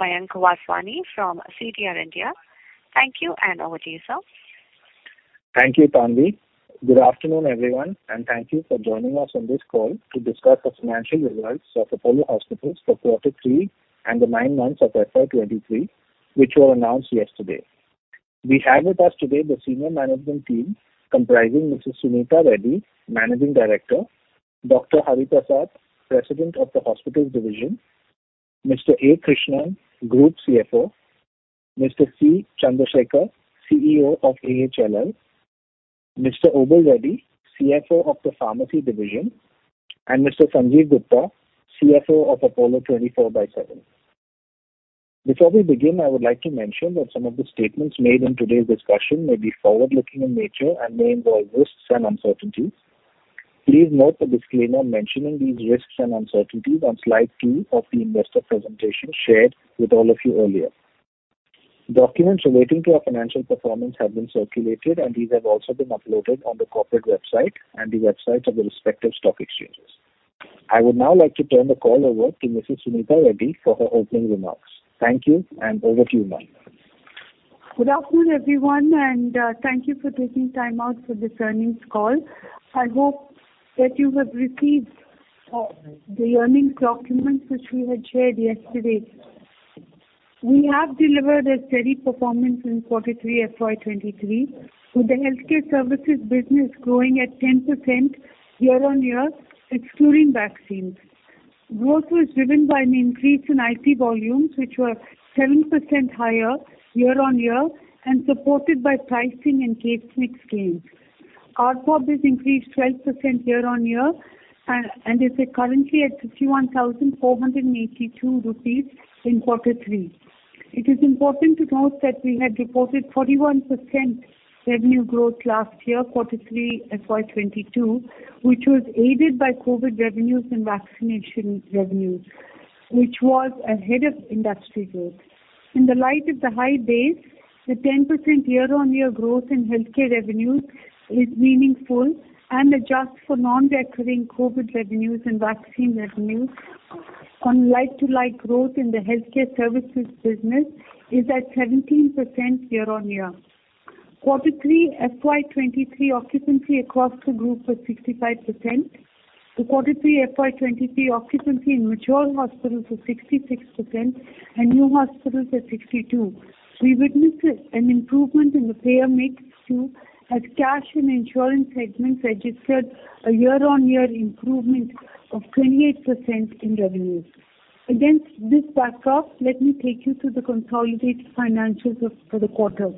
Mayank Vaswani from CDR India. Thank you and over to you, sir. Thank you, Tanvi. Good afternoon, everyone, and thank you for joining us on this call to discuss the financial results of Apollo Hospitals for quarter 3 and the 9 months of FY 2023, which were announced yesterday. We have with us today the senior management team comprising Mrs. Suneeta Reddy, Managing Director, Dr. K. Hariprasad, President, Hospitals Division, Mr. A. Krishnan, Group CFO, Mr. C. Chandra Sekar, CEO, AHLL, Mr. Obul Reddy, CFO, Pharmacy Division, and Mr. Sanjiv Gupta, CFO, Apollo 24|7. Before we begin, I would like to mention that some of the statements made in today's discussion may be forward-looking in nature and may involve risks and uncertainties. Please note the disclaimer mentioning these risks and uncertainties on slide 2 of the investor presentation shared with all of you earlier. Documents relating to our financial performance have been circulated, and these have also been uploaded on the corporate website and the websites of the respective stock exchanges. I would now like to turn the call over to Mrs. Suneeta Reddy for her opening remarks. Thank you, and over to you, ma'am. Good afternoon, everyone. Thank you for taking time out for this earnings call. I hope that you have received the earnings documents which we had shared yesterday. We have delivered a steady performance in Q3 FY23, with the healthcare services business growing at 10% year-on-year, excluding vaccines. Growth was driven by an increase in IP volumes, which were 7% higher year-on-year and supported by pricing and case mix gains. ARPOB has increased 12% year-on-year and is currently at 51,482 rupees in Q3. It is important to note that we had reported 41% revenue growth last year, Q3 FY22, which was aided by COVID revenues and vaccination revenues, which was ahead of industry growth. In the light of the high base, the 10% year-on-year growth in healthcare revenues is meaningful. Adjusted for non-recurring COVID revenues and vaccine revenues on like-to-like growth in the healthcare services business is at 17% year-on-year. Quarter 3 FY twenty-three occupancy across the group was 65%. The Quarter 3 FY twenty-three occupancy in mature hospitals was 66% and new hospitals at 62%. We witnessed an improvement in the payer mix too, as cash and insurance segments registered a year-on-year improvement of 28% in revenues. Against this backdrop, let me take you through the consolidated financials for the quarter.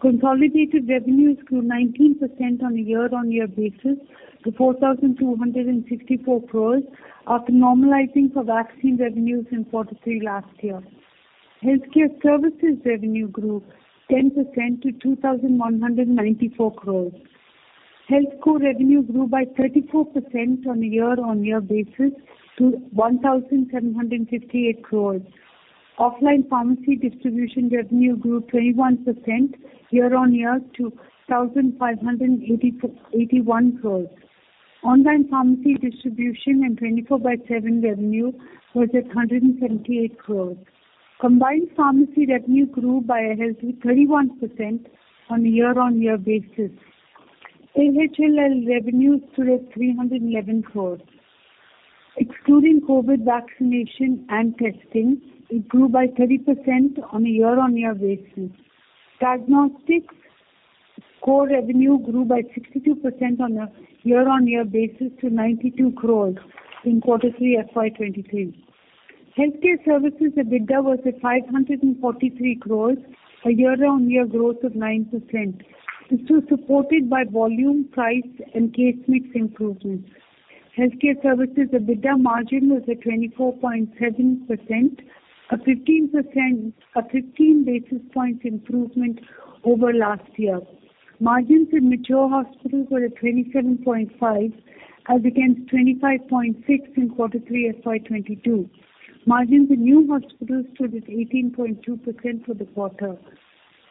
Consolidated revenues grew 19% on a year-on-year basis to 4,264 crores after normalizing for vaccine revenues in Quarter 3 last year. Healthcare services revenue grew 10% to 2,194 crores. HealthCo revenues grew by 34% on a year-on-year basis to 1,758 crores. Offline pharmacy distribution revenue grew 21% year-on-year to 1,581 crores. Online pharmacy distribution and Apollo 24|7 revenue was at 178 crores. Combined pharmacy revenue grew by a healthy 31% on a year-on-year basis. AHLL revenues stood at 311 crores. Excluding COVID vaccination and testing, it grew by 30% on a year-on-year basis. Diagnostics core revenue grew by 62% on a year-on-year basis to 92 crores in Q3 FY23. Healthcare services EBITDA was at 543 crores, a year-on-year growth of 9%. This was supported by volume, price, and case mix improvements. Healthcare services EBITDA margin was at 24.7%, a 15 basis points improvement over last year. Margins in mature hospitals were at 27.5 as against 25.6 in Q3 FY22. Margins in new hospitals stood at 18.2% for the quarter.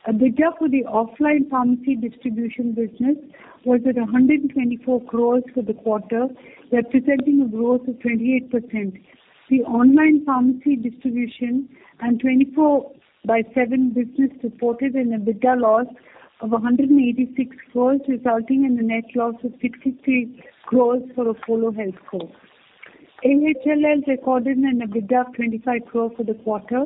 EBITDA for the offline pharmacy distribution business was at 124 crores for the quarter, representing a growth of 28%. The online pharmacy distribution and Apollo 24|7 business reported an EBITDA loss of 186 crores, resulting in a net loss of 53 crores for Apollo HealthCo. AHLL recorded an EBITDA of 25 crores for the quarter.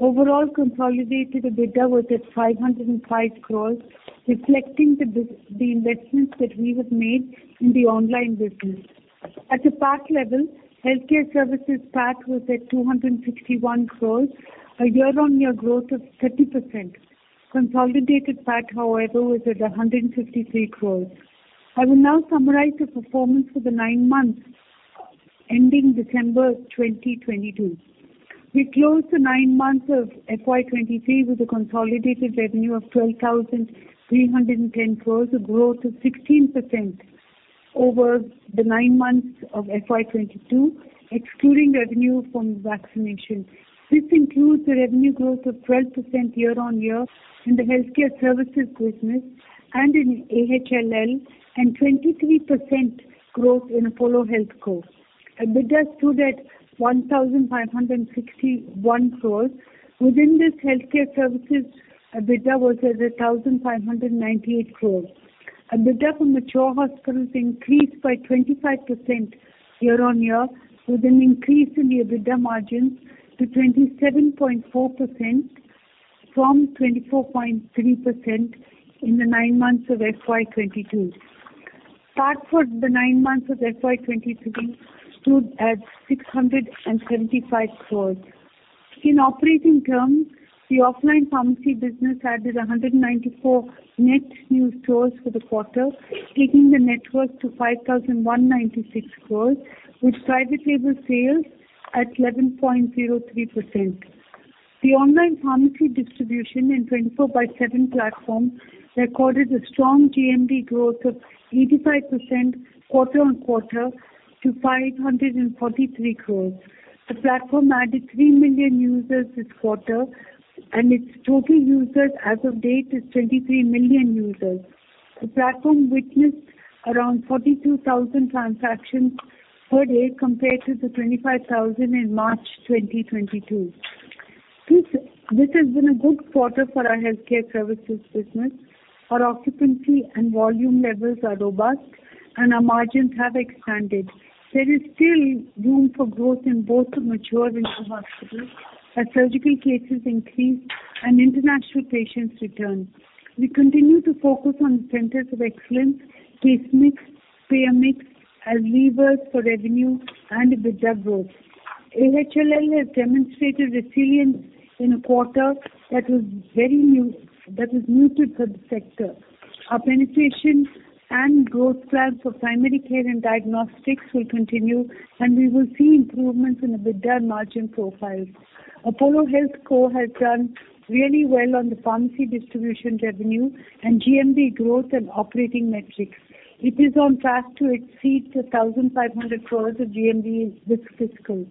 Overall consolidated EBITDA was at 505 crores, reflecting the investments that we have made in the online business. At a PAT level, healthcare services PAT was at 261 crores, a year-on-year growth of 30%. Consolidated PAT, however, was at 153 crores. I will now summarize the performance for the 9 months ending December 2022. We closed the 9 months of FY23 with a consolidated revenue of 12,310 crores, a growth of 16% over the 9 months of FY22, excluding revenue from vaccination. This includes a revenue growth of 12% year-on-year in the healthcare services business and in AHLL and 23% growth in Apollo HealthCo. EBITDA stood at 1,561 crores. Within this, healthcare services EBITDA was at 1,598 crores. EBITDA from mature hospitals increased by 25% year-on-year, with an increase in the EBITDA margins to 27.4% from 24.3% in the 9 months of FY22. PAT for the 9 months of FY23 stood at 675 crores. In operating terms, the offline pharmacy business added 194 net new stores for the quarter, taking the network to 5,196 crores, with private label sales at 11.03%. The online pharmacy distribution in Apollo 24|7 platform recorded a strong GMV growth of 85% quarter-on-quarter to 543 crores. The platform added 3 million users this quarter, and its total users as of date is 23 million users. The platform witnessed around 42,000 transactions per day compared to the 25,000 in March 2022. This has been a good quarter for our healthcare services business. Our occupancy and volume levels are robust, and our margins have expanded. There is still room for growth in both the mature and new hospitals as surgical cases increase and international patients return. We continue to focus on centers of excellence, case mix, payer mix as levers for revenue and EBITDA growth. AHLL has demonstrated resilience in a quarter that was muted for the sector. Our penetration and growth plans for primary care and diagnostics will continue, and we will see improvements in EBITDA margin profiles. Apollo HealthCo has done really well on the pharmacy distribution revenue and GMV growth and operating metrics. It is on track to exceed 1,500 crores of GMV this fiscal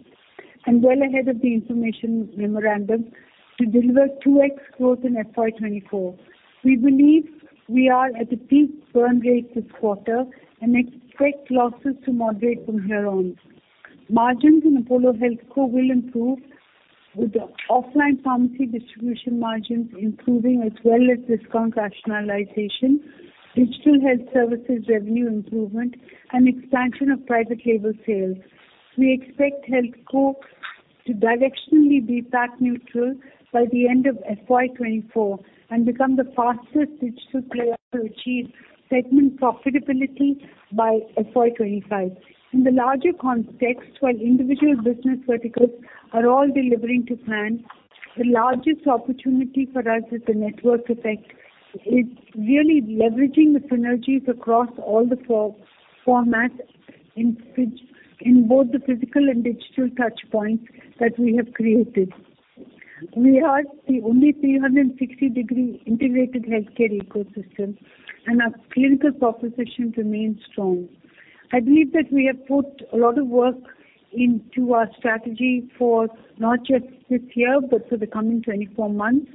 and well ahead of the information memorandum to deliver 2x growth in FY 2024. We believe we are at a peak burn rate this quarter and expect losses to moderate from here on. Margins in Apollo HealthCo will improve, with offline pharmacy distribution margins improving as well as discount rationalization, digital health services revenue improvement, and expansion of private label sales. We expect HealthCo to directionally be PAT neutral by the end of FY24 and become the fastest digital player to achieve segment profitability by FY25. In the larger context, while individual business verticals are all delivering to plan, the largest opportunity for us is the network effect. It's really leveraging the synergies across all the for-formats in both the physical and digital touch points that we have created. We are the only 360-degree integrated healthcare ecosystem, and our clinical proposition remains strong. I believe that we have put a lot of work into our strategy for not just this year, but for the coming 24 months,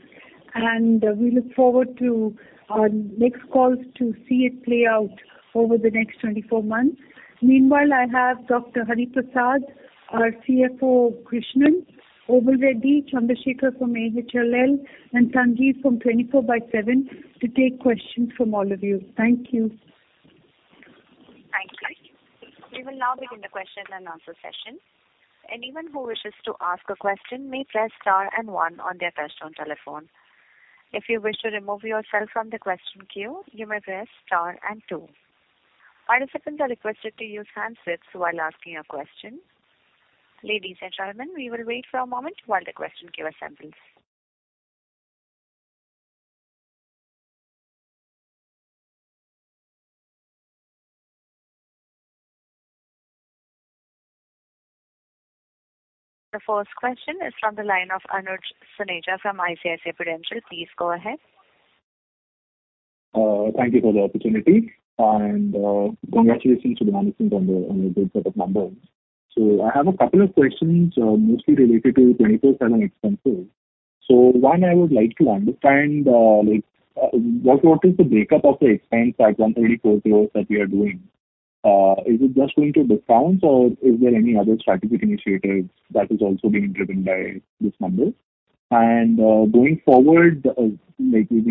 and we look forward to our next calls to see it play out over the next 24 months. Meanwhile, I have Dr. K. Hariprasad, our CFO, Krishnan, Obul Reddy, Chandrasekar from AHLL, and Sanjeev from Apollo 24|7 to take questions from all of you. Thank you. Thank you. We will now begin the question and answer session. Anyone who wishes to ask a question may press star and one on their touchtone telephone. If you wish to remove yourself from the question queue, you may press star and two. Participants are requested to use handsets while asking a question. Ladies and gentlemen, we will wait for a moment while the question queue assembles. The first question is from the line of Anuj Suneja from ICICI Prudential. Please go ahead. Thank you for the opportunity and congratulations to the management on the good set of numbers. I have a couple of questions, mostly related to Apollo 24|7 expenses. One I would like to understand, like, what is the breakup of the expense at 134 crores that we are doing? Is it just going to discounts or is there any other strategic initiatives that is also being driven by this number? Going forward, like you've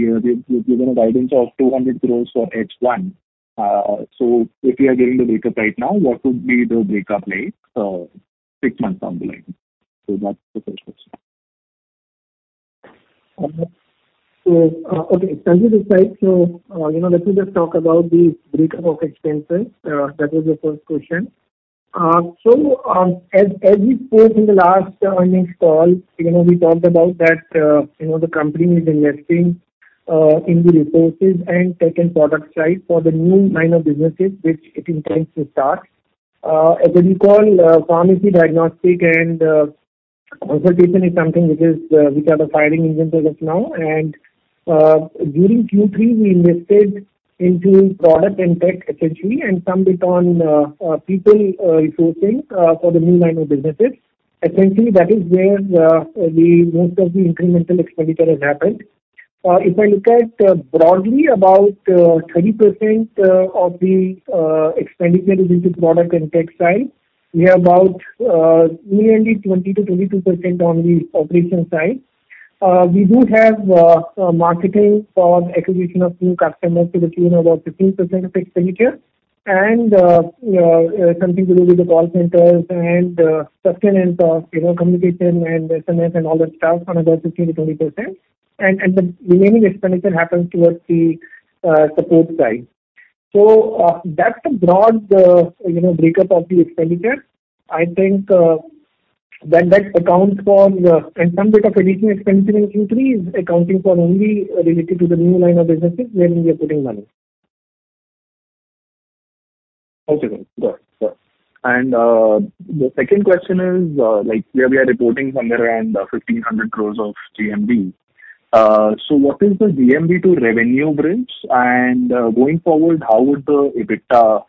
given a guidance of 200 crores for H1. If we are doing the breakup right now, what would be the breakup like, 6 months down the line? That's the first question. Okay. Sanjeev this side. You know, let me just talk about the breakup of expenses. That was the first question. As we spoke in the last earnings call, you know, we talked about that, you know, the company is investing in the resources and tech and product side for the new line of businesses which it intends to start. As I recall, pharmacy diagnostic and consultation is something which is which are the firing engines as of now. During Q3 we invested into product and tech essentially, and some bit on people resourcing for the new line of businesses. Essentially that is where the most of the incremental expenditure has happened. If I look at, broadly about, 30% of the, expenditure is into product and tech side. We have about, nearly 20%-22% on the operation side. We do have, marketing for acquisition of new customers to the tune of about 15% of expenditure. You know, something to do with the call centers and, sustenance of, you know, communication and SMS and all that stuff, another 15%-20%. The remaining expenditure happens towards the support side. That's the broad, you know, breakup of the expenditure. I think, that accounts for the... Some bit of additional expenditure in Q3 is accounting for only related to the new line of businesses where we are putting money. Okay. Got it. Got it. The second question is, like, we are reporting somewhere around 1,500 crores of GMV. What is the GMV to revenue bridge? Going forward, how would the EBITDA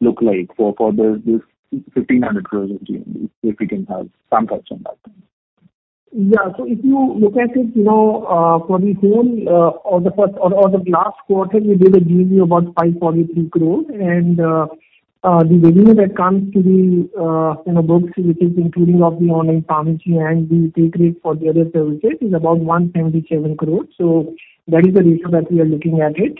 look like for the 1,500 crores of GMV, if we can have some thoughts on that please. Yeah. If you look at it, you know, for the whole, or the first or the last quarter, we did a GMV about 543 crore. The revenue that comes to the, you know, books, which is including of the online pharmacy and the take rate for the other services is about 177 crore. That is the ratio that we are looking at it.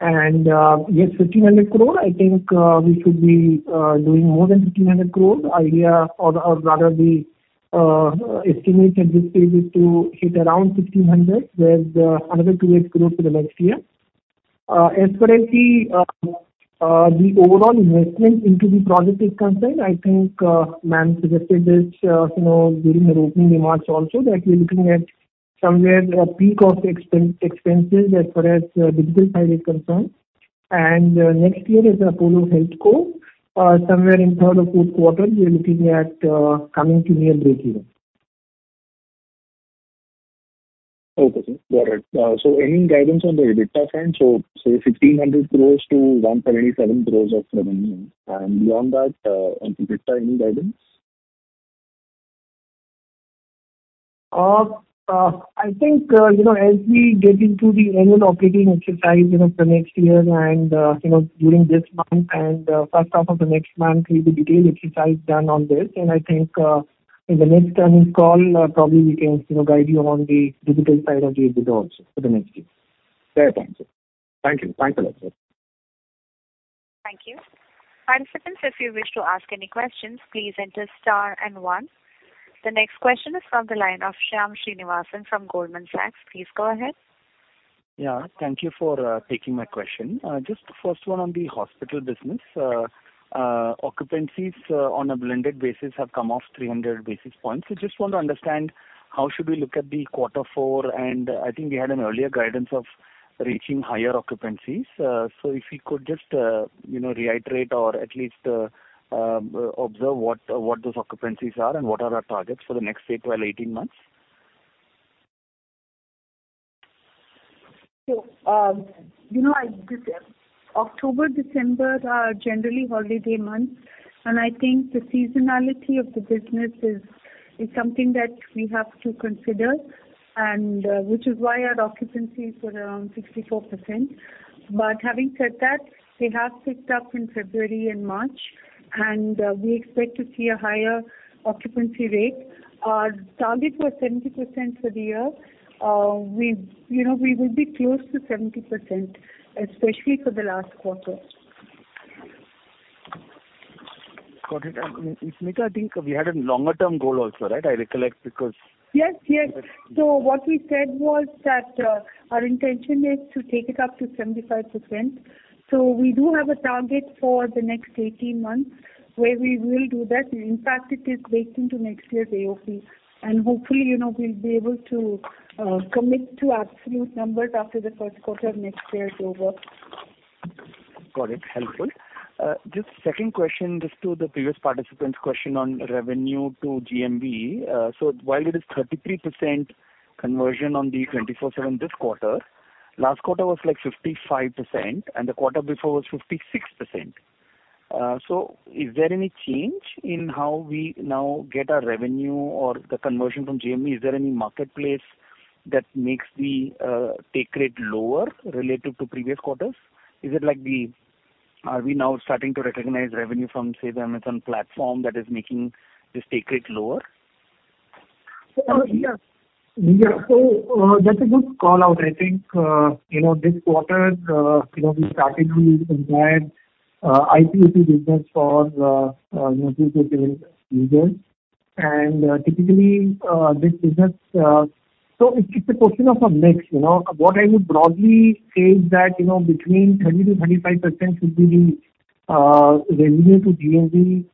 Yes, 1,500 crore, I think, we should be doing more than 1,500 crore. Idea or rather the estimate at this stage is to hit around 1,500 with another two eight growth for the next year. As far as the overall investment into the project is concerned, I think ma'am suggested this, you know, during her opening remarks also, that we're looking at somewhere the peak of expenses as far as digital side is concerned. Next year as Apollo HealthCo, somewhere in third or fourth quarter, we are looking at coming to near breakeven. Okay, sir. Got it. Any guidance on the EBITDA front? say 1,500 crores-177 crores of revenue. beyond that, on EBITDA, any guidance? I think, you know, as we get into the annual operating exercise, you know, for next year and, you know, during this month and, first half of the next month will be detailed exercise done on this. I think, in the next earnings call, probably we can, you know, guide you on the digital side of the EBITDA also for the next year. Fair. Thank you. Thank you. Thanks a lot, sir. Thank you. Participants, if you wish to ask any questions, please enter star and one. The next question is from the line of Shyam Srinivasan from Goldman Sachs. Please go ahead. Yeah. Thank you for taking my question. Just first one on the hospital business. Occupancies on a blended basis have come off 300 basis points. Just want to understand how should we look at the quarter four? I think we had an earlier guidance of reaching higher occupancies. If you could just, you know, reiterate or at least observe what those occupancies are and what are our targets for the next say 12, 18 months? You know, October, December are generally holiday months, and I think the seasonality of the business is something that we have to consider and which is why our occupancies were around 64%. Having said that, they have picked up in February and March, and we expect to see a higher occupancy rate. Our target was 70% for the year. We, you know, we will be close to 70%, especially for the last quarter. Got it. Sanjiv, I think we had a longer term goal also, right? I recollect because- Yes, yes. What we said was that, our intention is to take it up to 75%. We do have a target for the next 18 months where we will do that. In fact, it is waiting to next year's AOP. Hopefully, you know, we'll be able to commit to absolute numbers after the 1st quarter of next year is over. Got it. Helpful. Just second question, just to the previous participant's question on revenue to GMV? While it is 33% conversion on the 24/7 this quarter, last quarter was like 55%, and the quarter before was 56%. Is there any change in how we now get our revenue or the conversion from GMV? Is there any marketplace that makes the take rate lower related to previous quarters? Is it like, are we now starting to recognize revenue from, say, the Amazon platform that is making this take rate lower? Yeah. Yeah. That's a good call out. I think, you know, this quarter, you know, we started to embed IPOP business for, you know, B2C users. Typically, this business, it's a question of a mix, you know. What I would broadly say is that, you know, between 30-35% should be the revenue to GMV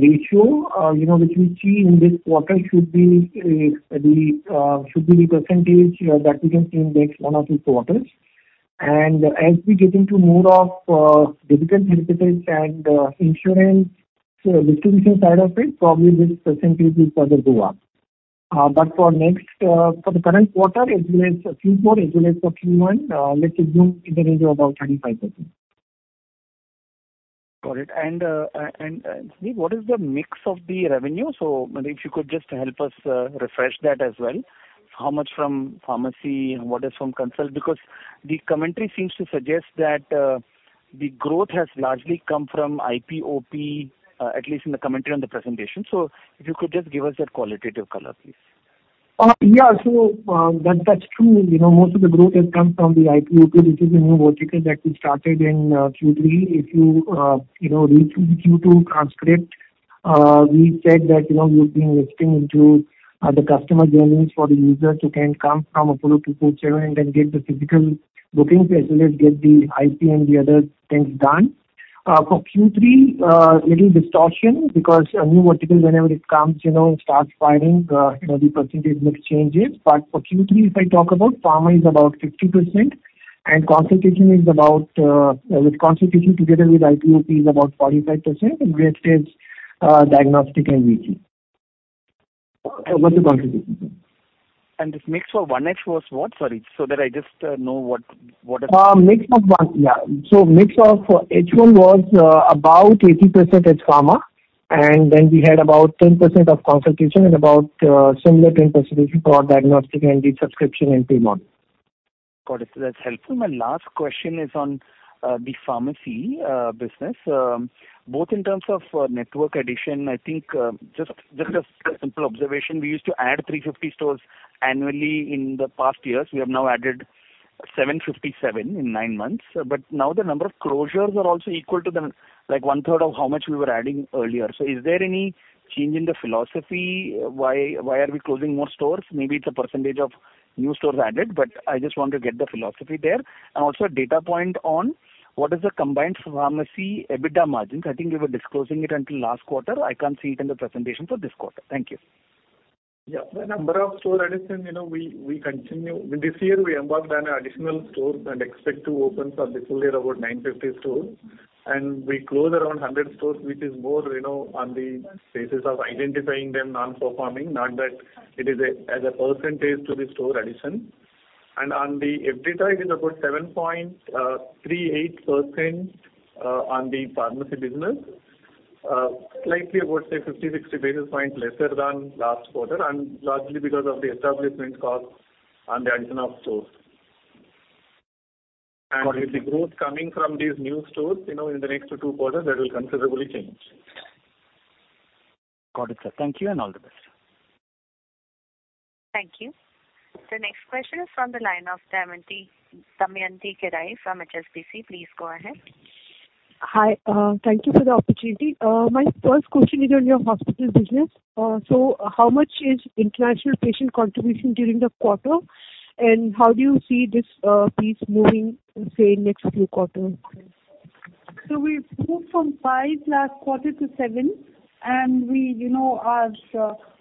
ratio. You know, which we see in this quarter should be the percentage that we can index 1 or 2 quarters. As we get into more of digital therapies and insurance distribution side of it, probably this percentage will further go up. For next, for the current quarter, it relates Q4, it relates to Q1, let's assume in the range of about 35%. Got it. Sanjiv, what is the mix of the revenue? Maybe if you could just help us refresh that as well. How much from pharmacy and what is from consult? The commentary seems to suggest that the growth has largely come from IP, OP, at least in the commentary on the presentation. If you could just give us that qualitative color, please. Yeah. That's true. You know, most of the growth has come from the IP, OP, which is a new vertical that we started in Q3. If you know, read Q2 transcript, we said that, you know, we've been investing into the customer journeys for the user to then come from Apollo 24|7 and then get the physical bookings as well as get the IP and the other things done. For Q3, little distortion because a new vertical whenever it comes, you know, starts firing, you know, the percentage mix changes. For Q3, if I talk about pharma is about 50%, consultation is about, with consultation together with IP, OP is about 45%. Rest is diagnostic and VG. What's the contribution? This mix for 1H was what? Sorry. That I just know what. Mix of one. Yeah. mix of H1 was about 80% is pharma. we had about 10% of consultation and about similar 10% is for diagnostic and the subscription and pay model. Got it. That's helpful. My last question is on the pharmacy business, both in terms of network addition. I think just a simple observation. We used to add 350 stores annually in the past years. We have now added 757 in 9 months. The number of closures are also equal to the, like one third of how much we were adding earlier. Is there any change in the philosophy? Why are we closing more stores? Maybe it's a percentage of new stores added, but I just want to get the philosophy there. Also a data point on what is the combined pharmacy EBITDA margins. I think you were disclosing it until last quarter. I can't see it in the presentation for this quarter. Thank you. Yeah. The number of store addition, you know, we continue. I mean, this year we embarked on additional stores and expect to open for the full year about 950 stores. We close around 100 stores, which is more, you know, on the basis of identifying them non-performing, not that it is a, as a percentage to the store addition. On the EBITDA, it is about 7.38% on the pharmacy business. Slightly about, say 50, 60 basis points lesser than last quarter, and largely because of the establishment costs and the addition of stores. Got it. With the growth coming from these new stores, you know, in the next 2 quarters that will considerably change. Got it, sir. Thank you and all the best. Thank you. The next question is from the line of Damayanti Kerai from HSBC. Please go ahead. Hi, thank you for the opportunity. My first question is on your hospital business. How much is international patient contribution during the quarter, and how do you see this piece moving, say, in next few quarters? We've moved from 5% last quarter to 7%, and we, you know, our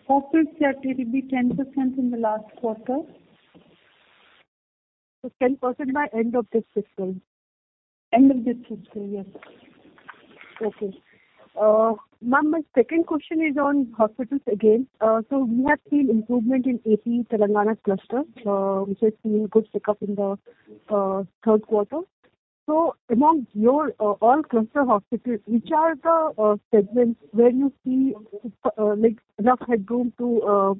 focus that it will be 10% in the last quarter. 10% by end of this fiscal. End of this fiscal, yes. Okay. ma'am, my second question is on hospitals again. We have seen improvement in AP Telangana cluster, which has seen good pick up in the third quarter. Among your all cluster hospitals, which are the segments where you see like enough headroom to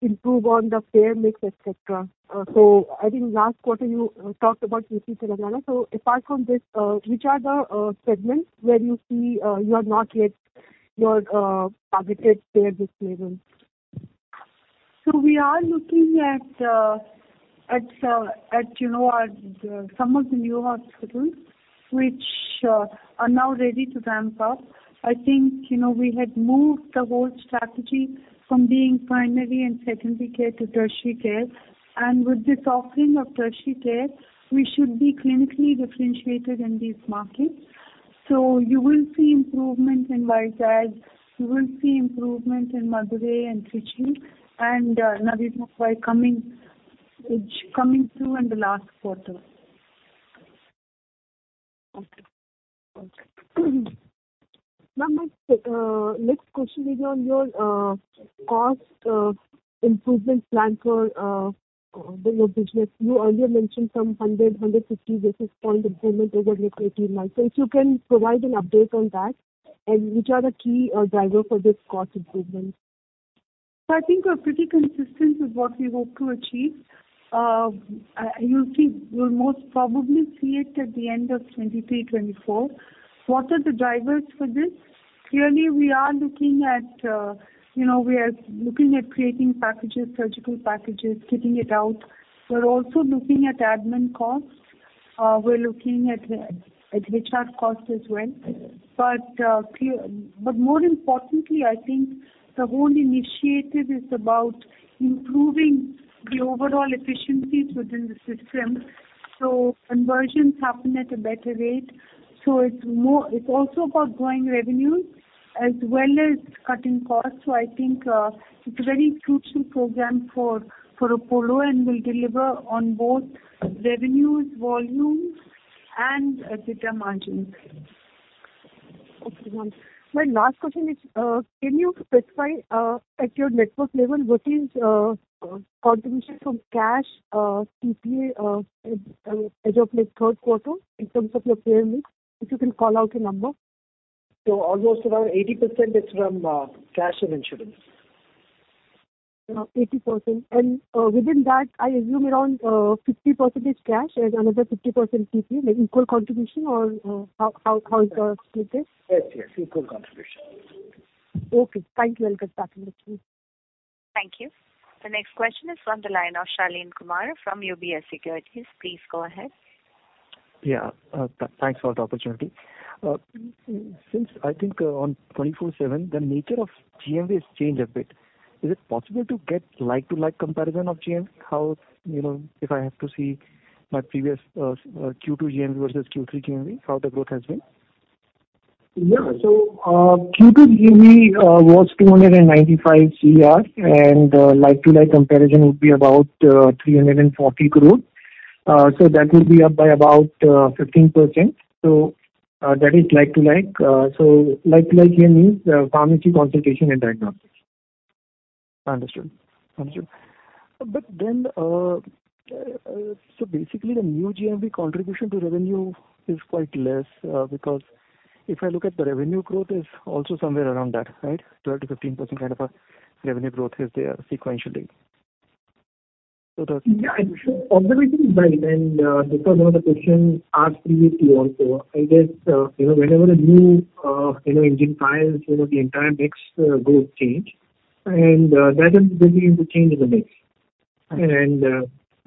improve on the payer mix, et cetera? I think last quarter you talked about AP Telangana. Apart from this, which are the segments where you see you have not yet your targeted payer mix level? We are looking at, you know, at, some of the new hospitals which are now ready to ramp up. I think, you know, we had moved the whole strategy from being primary and secondary care to tertiary care. With this offering of tertiary care, we should be clinically differentiated in these markets. You will see improvement in Vizag, you will see improvement in Madurai and Trichy and Navi Mumbai coming, each coming through in the last quarter. Okay. Okay. Ma'am, my next question is on your cost improvement plan for your business. You earlier mentioned some 100-150 basis points improvement over your creative license. You can provide an update on that. Which are the key driver for this cost improvement? I think we're pretty consistent with what we hope to achieve. you'll most probably see it at the end of 2023, 2024. What are the drivers for this? Clearly, we are looking at, you know, we are looking at creating packages, surgical packages, keeping it out. We're also looking at admin costs. We're looking at HR costs as well. More importantly, I think the whole initiative is about improving the overall efficiencies within the system, so conversions happen at a better rate. It's also about growing revenues as well as cutting costs. I think, it's a very crucial program for Apollo, and will deliver on both revenues, volumes, and EBITDA margins. Okay, ma'am. My last question is, can you specify, at your network level what is, contribution from cash, TPA, as of like third quarter in terms of your payer mix? If you can call out a number. Almost around 80% is from cash and insurance. 80%. Within that, I assume around 50% is cash and another 50% PP, like equal contribution or how is the split there? Yes, yes. Equal contribution. Okay. Thank you. I'll get back if need be. Thank you. The next question is from the line of Shaleen Kumar from UBS Securities. Please go ahead. Yeah. Thanks for the opportunity. Since I think, on 24|7, the nature of GMV has changed a bit. Is it possible to get like-to-like comparison of GMV? How, you know, if I have to see my previous, Q2 GMV versus Q3 GMV, how the growth has been. Yeah. Q2 GMV was 295 crore, like-to-like comparison would be about 340 crore. That will be up by about 15%. That is like-to-like. Like-to-like here means pharmacy consultation and diagnosis. Understood. Basically the new GMV contribution to revenue is quite less, because if I look at the revenue growth is also somewhere around that, right? 12%-15% kind of a revenue growth is there sequentially. Yeah. Observation is right. That was one of the questions asked previously also. I guess, you know, whenever a new, you know, engine files, you know, the entire mix, growth change and, that will bring in the change in the mix. Okay. I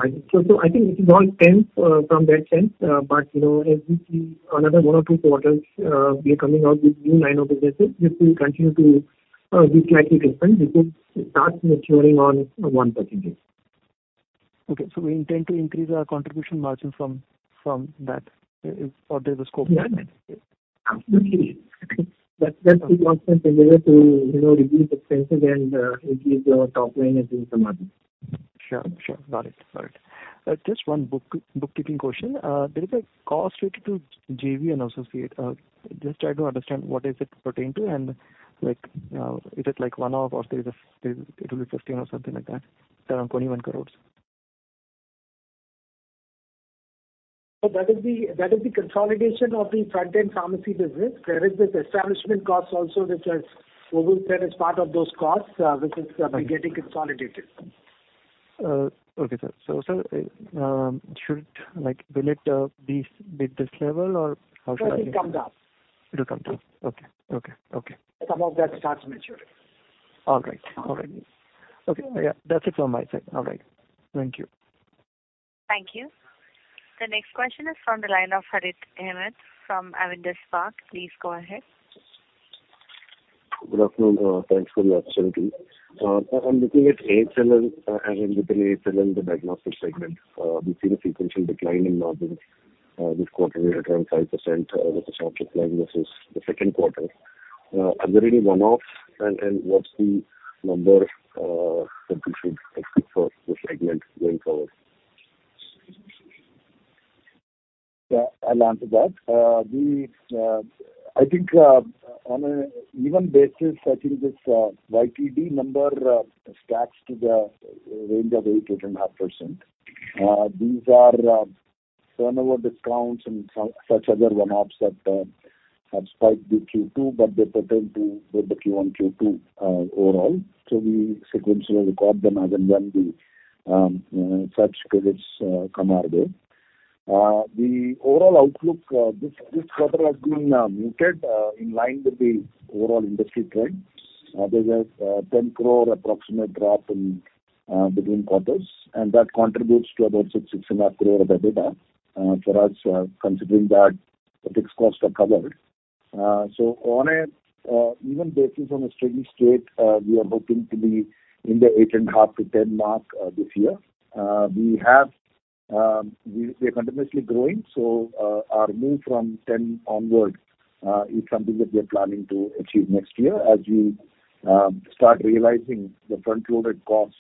think so, I think it is all temp from that sense. You know, as we see another one or two quarters, we are coming out with new line of businesses, this will continue to be classic expense. We could start maturing on one percentages. Okay. We intend to increase our contribution margin from that. There's a scope for that. Yeah. Absolutely. That's the constant endeavor to, you know, reduce expenses and increase our top line as in some margin. Sure. Sure. Got it. Got it. Just one bookkeeping question. There is a cost related to JV and associate. Just trying to understand what does it pertain to and, like, is it like one-off or there is... It will be 15 or something like that around 21 crores? That is the consolidation of the front-end pharmacy business. There is this establishment costs also We will say as part of those costs, which is getting consolidated. Okay, sir. Sir, will it be with this level or how should I? It comes down. It'll come down. Okay. Okay. Okay. Some of that starts maturing. All right. All right. Okay. Yeah. That's it from my side. All right. Thank you. Thank you. The next question is from the line of Harit Shah from Avendus Capital. Please go ahead. Good afternoon. Thanks for the opportunity. I'm looking at AHLL and within AHLL, the diagnostic segment. We've seen a sequential decline in margins, this quarter year around 5%. With the sharp decline, this is the second quarter. Are there any one-offs and what's the number that we should expect for this segment going forward? Yeah, I'll answer that. The, I think, on a even basis, I think this YTD number stacks to the range of 8%-8.5%. These are turnover discounts and some such other one-offs that have spiked the Q2, but they pertain to both the Q1, Q2 overall. So we sequentially record them as and when the such credits come our way. The overall outlook this quarter has been muted in line with the overall industry trends. There's a 10 crore approximate drop between quarters, and that contributes to about 6 crore-6.5 crore of the EBITDA for us, considering that the fixed costs are covered. On a even basis on a steady state, we are hoping to be in the 8.5-10 mark, this year. We are continuously growing. Our move from 10 onwards, is something that we are planning to achieve next year as we start realizing the front-loaded costs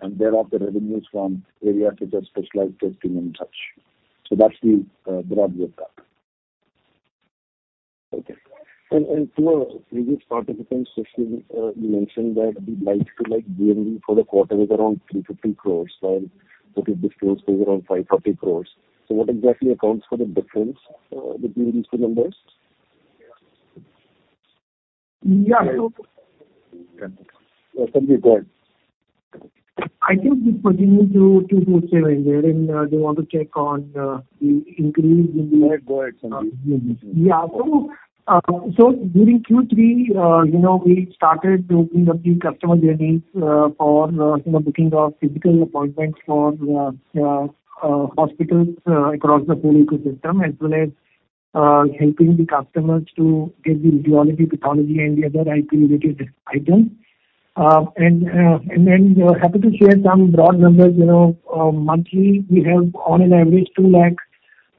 and thereof the revenues from areas such as specialized testing and such. That's the broad view of that. Okay. To our previous participant's question, you mentioned that the like-to-like GMV for the quarter was around 350 crores, while what is disclosed was around 550 crores. What exactly accounts for the difference between these two numbers? Yeah. Okay. Yeah. Sanjeev, go ahead. I think this continues to prevail in there. Do you want to check on the increase in the? No, go ahead, Sanjeev. Yeah. During Q3, you know, we started building up the customer journeys, for hospitals, across the whole ecosystem, as well as helping the customers to get the radiology, pathology and the other IP related items. Happy to share some broad numbers. You know, monthly we have on an average 2 lakh,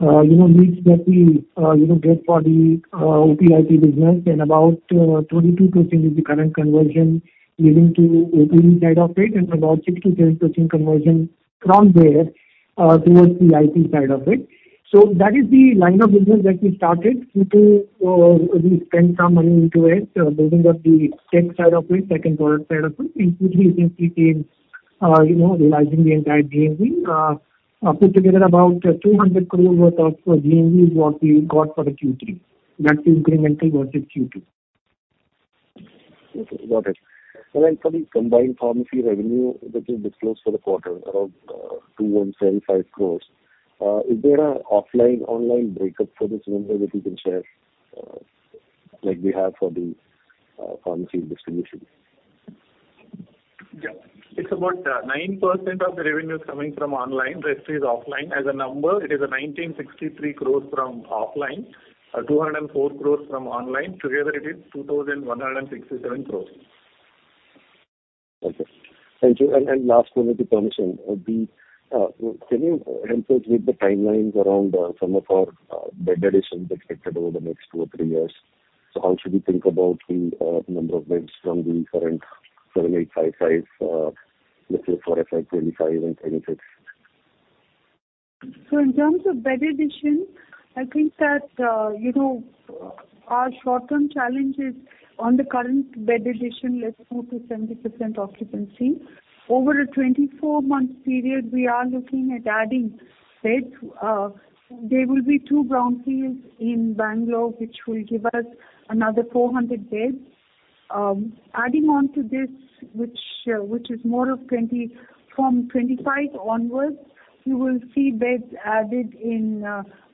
you know, leads that we, you know, get for the OP IP business. About 22% is the current conversion leading to OPD side of it, and about 6%-10% conversion from there, towards the IP side of it. That is the line of business that we started. Q2, we spent some money into it, building up the tech side of it, second product side of it, including the MVP, you know, realizing the entire GMV, put together about 200 crore worth of GMV is what we got for the Q3. That's incremental versus Q2. Okay, got it. For the combined pharmacy revenue that you disclosed for the quarter, around 2,175 crores, is there an offline/online breakup for this number that you can share, like we have for the pharmacy distribution? Yeah. It's about 9% of the revenue is coming from online, the rest is offline. As a number, it is 1,963 crores from offline, 204 crores from online. Together it is 2,167 crores. Okay. Thank you. And last one with the permission. The, can you help us with the timelines around some of our bed additions expected over the next two or three years? How should we think about the number of beds from the current 7,855, looking at for FY25 and FY26? In terms of bed addition, I think that, you know, our short-term challenge is on the current bed addition, let's go to 70% occupancy. Over a 24-month period, we are looking at adding beds. There will be two brownfields in Bangalore, which will give us another 400 beds. Adding on to this, which is more of from 2025 onwards, you will see beds added in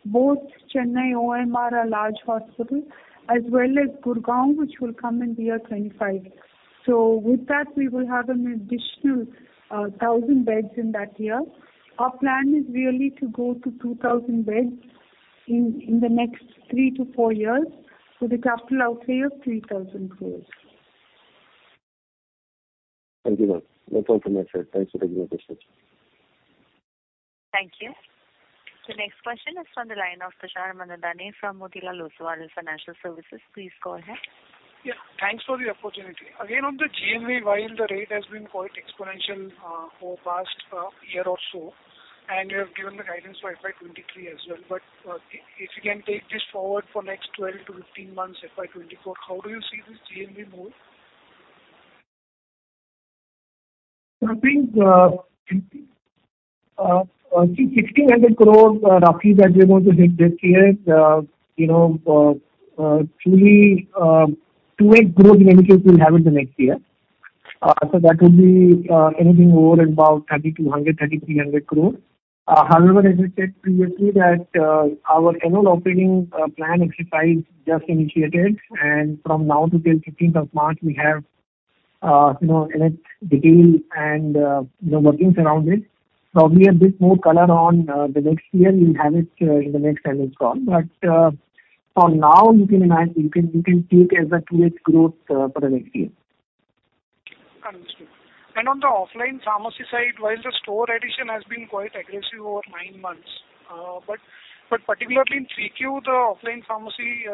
both Chennai OMR, a large hospital, as well as Gurgaon, which will come in the year 2025. With that, we will have an additional 1,000 beds in that year. Our plan is really to go to 2,000 beds in the next 3-4 years, with a capital outlay of 3,000 crores. Thank you, ma'am. That's all from my side. Thanks for taking the questions. Thank you. The next question is from the line of Prashant Mandle from Motilal Oswal Financial Services. Please go ahead. Thanks for the opportunity. Again, on the GMV, while the rate has been quite exponential, for past year or so, and you have given the guidance for FY 23 as well, if you can take this forward for next 12 to 15 months, FY 24, how do you see this GMV move? I think, see INR 1,600 crores, roughly that we are going to take this year, truly 28% growth, we will have it the next year. That would be anything over and above 3,200-3,300 crores. However, as I said previously that our annual operating plan exercise just initiated, and from now till 15th of March, we have in it detail and workings around it. Probably a bit more color on the next year, we'll have it in the next earnings call. For now you can take as a 28% growth, for the next year. Understood. On the offline pharmacy side, while the store addition has been quite aggressive over 9 months, but particularly in 3Q, the offline pharmacy,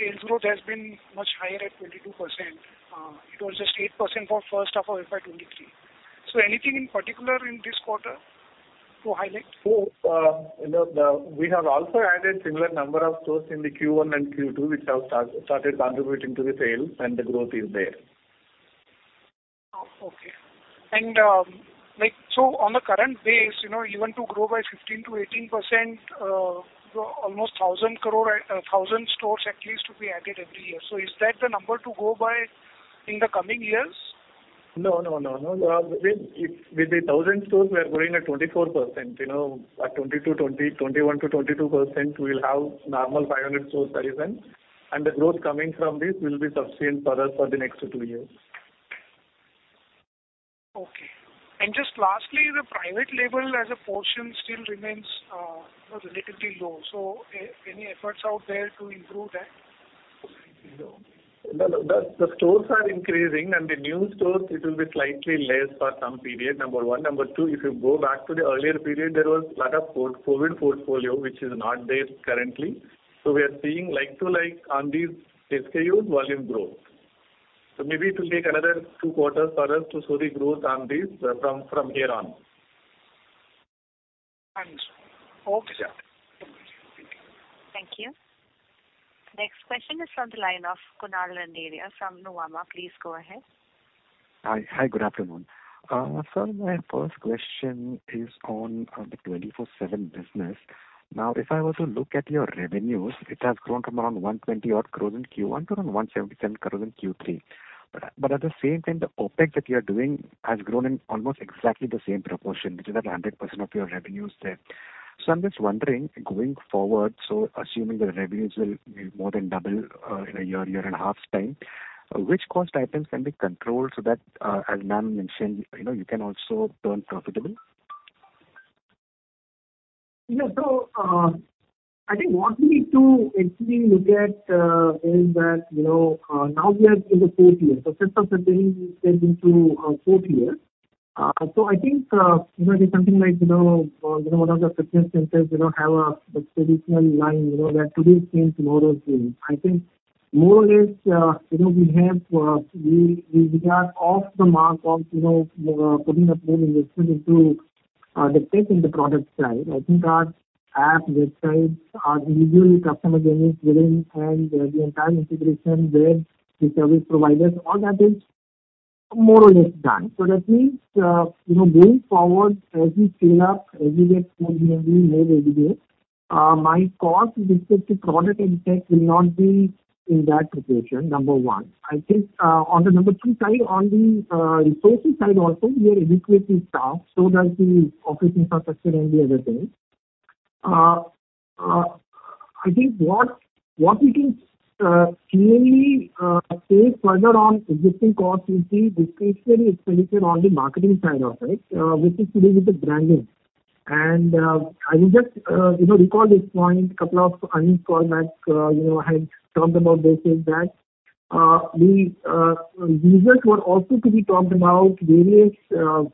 sales growth has been much higher at 22%. It was just 8% for first half of FY twenty-three. Anything in particular in this quarter to highlight? You know, we have also added similar number of stores in the Q1 and Q2, which have started contributing to the sales, and the growth is there. Oh, okay. Like, so on a current base, you know, even to grow by 15%-18%, almost 1,000 crore, 1,000 stores at least to be added every year. Is that the number to go by in the coming years? No, no, no. With the 1,000 stores, we are growing at 24%, you know. At 21%-22% we'll have normal 500 stores addition. The growth coming from this will be sustained for us for the next 2 years. Okay. Just lastly, the private label as a portion still remains, you know, relatively low. Any efforts out there to improve that? The stores are increasing, the new stores it will be slightly less for some period, number 1. Number 2, if you go back to the earlier period, there was lot of COVID portfolio which is not there currently. We are seeing like to like on these SKUs volume growth. Maybe it will take another 2 quarters for us to show the growth on these from here on. Understood. Okay. Yeah. Thank you. Thank you. Next question is from the line of Kunal Randeria from Nomura. Please go ahead. Hi. Hi. Good afternoon. Sir, my first question is on the 24|7 business. Now, if I was to look at your revenues, it has grown from around 120 odd crores in Q1 to around 177 crores in Q3. At the same time, the OpEx that you are doing has grown in almost exactly the same proportion, which is at 100% of your revenues there. I'm just wondering, going forward, assuming the revenues will more than double in a year and a half's time, which cost items can be controlled so that, as ma'am mentioned, you know, you can also turn profitable? I think what we need to actually look at, is that, you know, now we are in the fourth year. Since our beginning we step into, fourth year. I think, you know, there's something like, you know, one of the fitness centers, you know, have a traditional line, you know, that today's change, tomorrow's change. I think more or less, you know, we have, we were off the mark of, you know, putting a full investment into the tech and the product side. I think our app, website, our usual customer journey within, and the entire integration with the service providers, all that is more or less done. That means, you know, going forward, as we scale up, as we get more and more EBITDA, my cost with respect to product and tech will not be in that situation, number one. I think, on the number two side, on the resources side also, we are adequately staffed, so does the office infrastructure and the other things. I think what we can clearly pay further on existing costs will be discretionary expenditure on the marketing side also, which is related to branding. I will just, you know, recall this point. A couple of earnings call back, you know, I had talked about this, is that, we users were also to be talked about various, you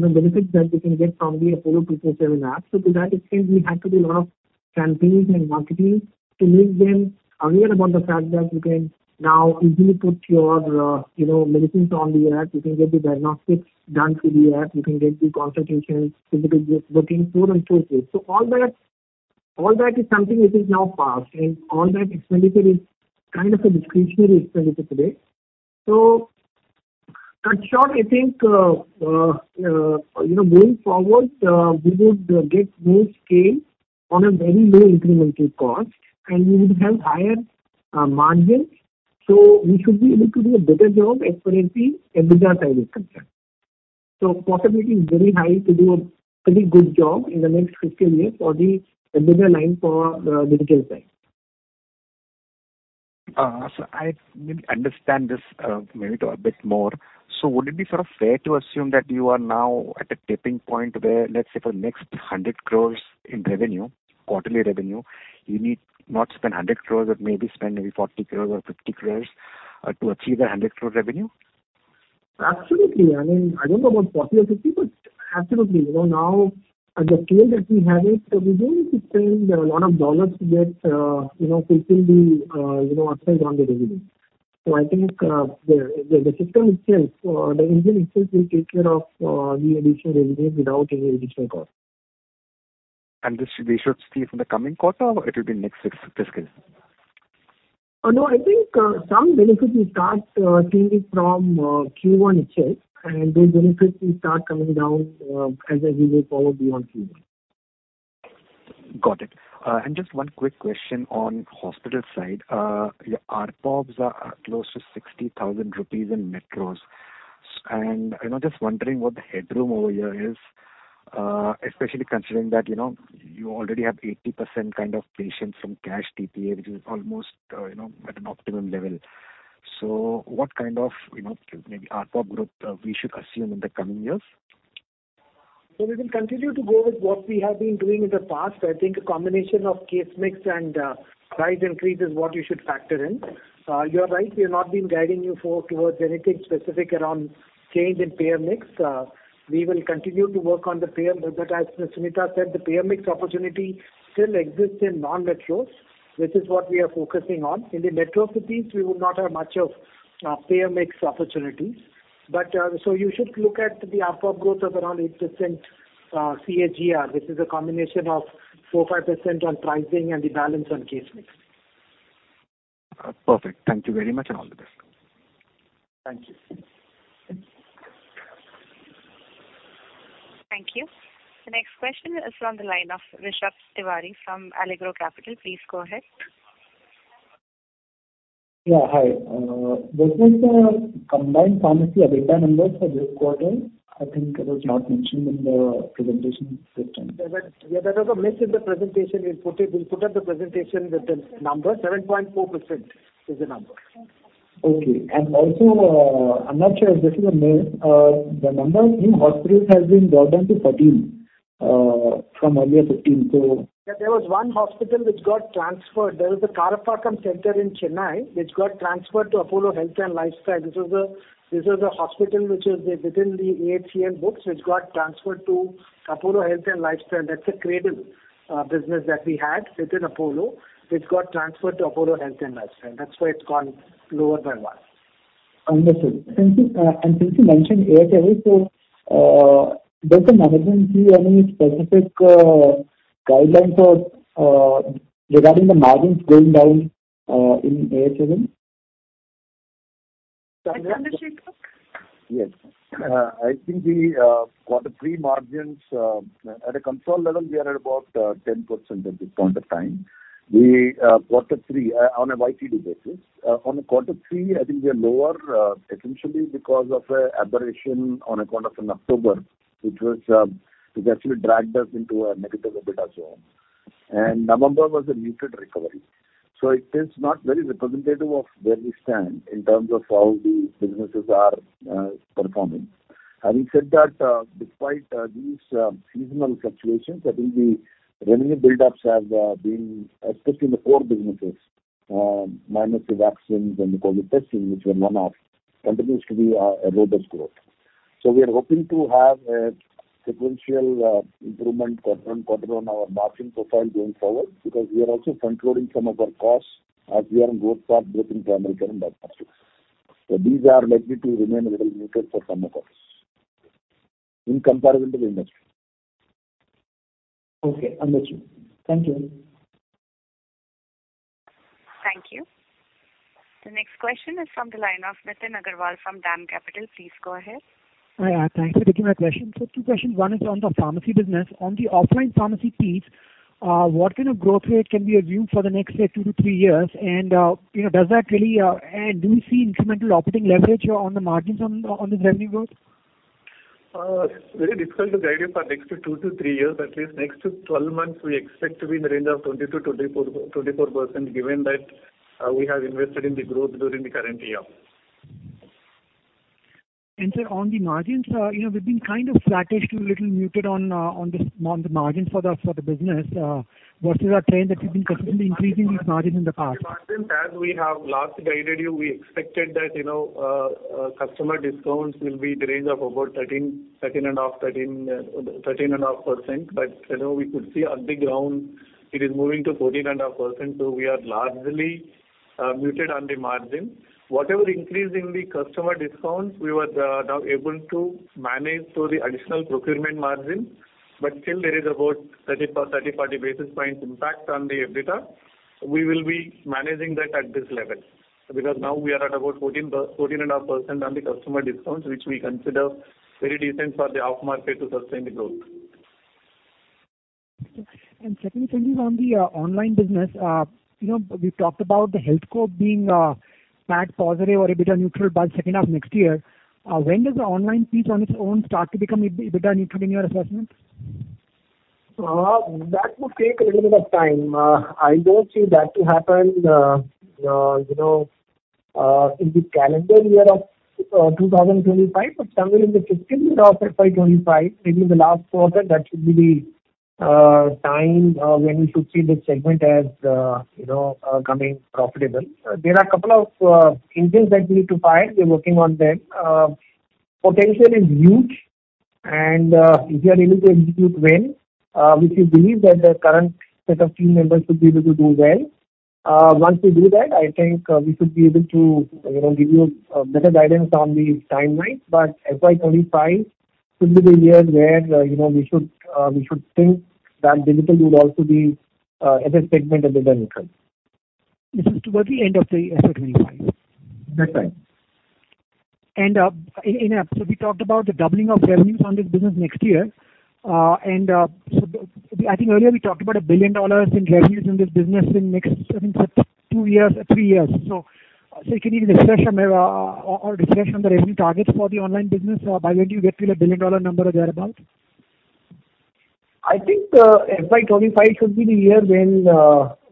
know, benefits that they can get from the Apollo 24|7 app. To that extent, we had to do a lot of campaigns and marketing to make them aware about the fact that you can now easily put your, you know, medicines on the app. You can get the diagnostics done through the app. You can get the consultations, physical working through and through this. All that is something which is now past, and all that expenditure is kind of a discretionary expenditure today. In short, I think, you know, going forward, we would get more scale on a very low incremental cost, and we would have higher margins, so we should be able to do a better job as far as the EBITDA side is concerned. Possibility is very high to do a pretty good job in the next fiscal year for the EBITDA line for medical side. I need to understand this, maybe a bit more. Would it be sort of fair to assume that you are now at a tipping point where, let's say for next 100 crore in revenue, quarterly revenue, you need not spend 100 crore, but maybe spend maybe 40 crore or 50 crore, to achieve a 100 crore revenue? Absolutely. I mean, I don't know about 40 or 50, but absolutely. You know, now at the scale that we have it, we don't need to spend a lot of dollars to get, you know, quickly, you know, upside on the revenue. I think, the system itself, the engine itself will take care of, the additional revenue without any additional cost. This we should see from the coming quarter or it will be next fiscal? No, I think some benefit we start seeing it from Q1 itself. Those benefits will start coming down as we move forward beyond Q1. Got it. Just one quick question on hospital side. Your ARPOBs are close to 60,000 rupees in metros. I'm just wondering what the headroom over here is, especially considering that, you know, you already have 80% kind of patients from cash TPA, which is almost, you know, at an optimum level. What kind of, you know, maybe ARPOB growth we should assume in the coming years? We will continue to go with what we have been doing in the past. I think a combination of case mix and price increase is what you should factor in. You are right, we have not been guiding you towards anything specific around change in payer mix. We will continue to work on the payer mix. As Suneeta said, the payer mix opportunity still exists in non-metros, which is what we are focusing on. In the metro cities, we would not have much of payer mix opportunities. You should look at the ARPOB growth of around 8% CAGR, which is a combination of 4%-5% on pricing and the balance on case mix. Perfect. Thank you very much, and all the best. Thank you. Thank you. The next question is on the line of Rishabh Tiwari from Allegro Capital. Please go ahead. Yeah, hi. What was the combined pharmacy EBITDA numbers for this quarter? I think it was not mentioned in the presentation system. Yeah, that was a miss in the presentation. We'll put up the presentation with the number. 7.4% is the number. Okay. I'm not sure if this is a the number in hospitals has been brought down to 14, from earlier 15. There was one hospital which got transferred. There was a Karapakkam center in Chennai which got transferred to Apollo Health and Lifestyle. This was a hospital which was within the AHCN books which got transferred to Apollo Health and Lifestyle. That's a cradle business that we had within Apollo, which got transferred to Apollo Health and Lifestyle. That's why it's gone lower by one. Understood. Thank you. Since you mentioned AHCN, does the management see any specific guidelines or regarding the margins going down in AHCN? Yes. I think the quarter 3 margins, at a console level, we are at about 10% at this point of time. The quarter 3, on a YTD basis. On the quarter 3, I think we are lower, essentially because of a aberration on account of October, which actually dragged us into a negative EBITDA zone. November was a muted recovery. It is not very representative of where we stand in terms of how the businesses are performing. Having said that, despite these seasonal fluctuations, I think the revenue buildups have been, especially in the core businesses, minus the vaccines and the COVID testing, which were one-offs, continues to be a robust growth. We are hoping to have a sequential improvement quarter-on-quarter on our margin profile going forward because we are also controlling some of our costs as we are on growth path both in primary care and diagnostic. These are likely to remain a little muted for some of us in comparison to the industry. Okay, understood. Thank you. Thank you. The next question is from the line of Nitin Agarwal from DAM Capital. Please go ahead. Hi. Thanks for taking my question. Two questions. One is on the pharmacy business. On the offline pharmacy piece, what kind of growth rate can be assumed for the next, say, 2-3 years? You know, do you see incremental operating leverage on the margins on this revenue growth? it's very difficult to guide you for next two to three years. At least next 12 months we expect to be in the range of 20%-24%, given that, we have invested in the growth during the current year. Sir, on the margins, you know, we've been kind of flattish to a little muted on the margins for the business. What is our trend that you've been consistently increasing these margins in the past? Margins, as we have last guided you, we expected that, you know, customer discounts will be in the range of about 13-13.5%. You know, we could see on the ground it is moving to 14.5%. We are largely muted on the margin. Whatever increase in the customer discounts we were now able to manage through the additional procurement margin. Still there is about 30-40 basis points impact on the EBITDA. We will be managing that at this level. Now we are at about 14.5% on the customer discounts, which we consider very decent for the off market to sustain the growth. Secondly, on the online business. You know, we've talked about the HealthCo being flat, positive or EBITDA neutral by second half next year. When does the online piece on its own start to become EBITDA neutral in your assessment? That would take a little bit of time. I don't see that to happen, you know, in the calendar year of 2025, but somewhere in the first quarter of FY25, maybe the last quarter, that should be the time when we should see this segment as, you know, coming profitable. There are a couple of engines that we need to fire. We're working on them. Potential is huge, and if we are able to execute well, which we believe that the current set of team members should be able to do well. Once we do that, I think, we should be able to, you know, give you better guidance on the timelines. FY 25 should be the year where, you know, we should we should think that Digital would also be as a segment EBITDA neutral. This is towards the end of say FY 25. That's right. In app, we talked about the doubling of revenues on this business next year. I think earlier we talked about $1 billion in revenues in this business in next, I think 2 years or 3 years. Sir, can you give an expression or discussion on the revenue targets for the online business? By when do you get to the $1 billion number or thereabout? I think, FY 2025 should be the year when,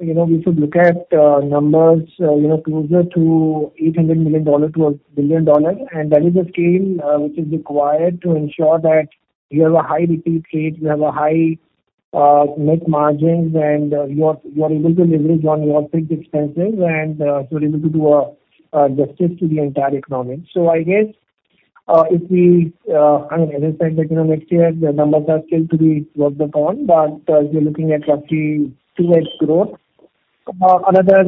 you know, we should look at numbers, you know, closer to $800 million to $1 billion. That is the scale which is required to ensure that you have a high repeat rate, you have a high net margins, and you are able to leverage on your fixed expenses and so able to do a justice to the entire economy. I guess, if we, I mean, as I said that, you know, next year the numbers are still to be worked upon, but, we're looking at roughly 2x growth. Another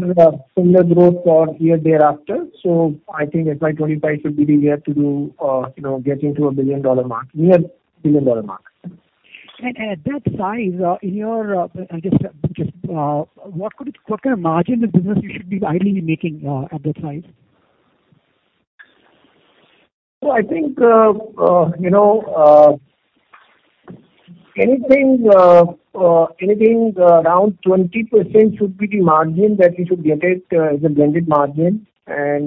similar growth for year thereafter. I think FY 2025 should be the year to do, you know, get into a $1 billion mark, near $1 billion mark. At that size, in your, I guess, just, what could, what kind of margin the business you should be ideally making, at that size? I think, you know, anything around 20% should be the margin that we should get it as a blended margin. I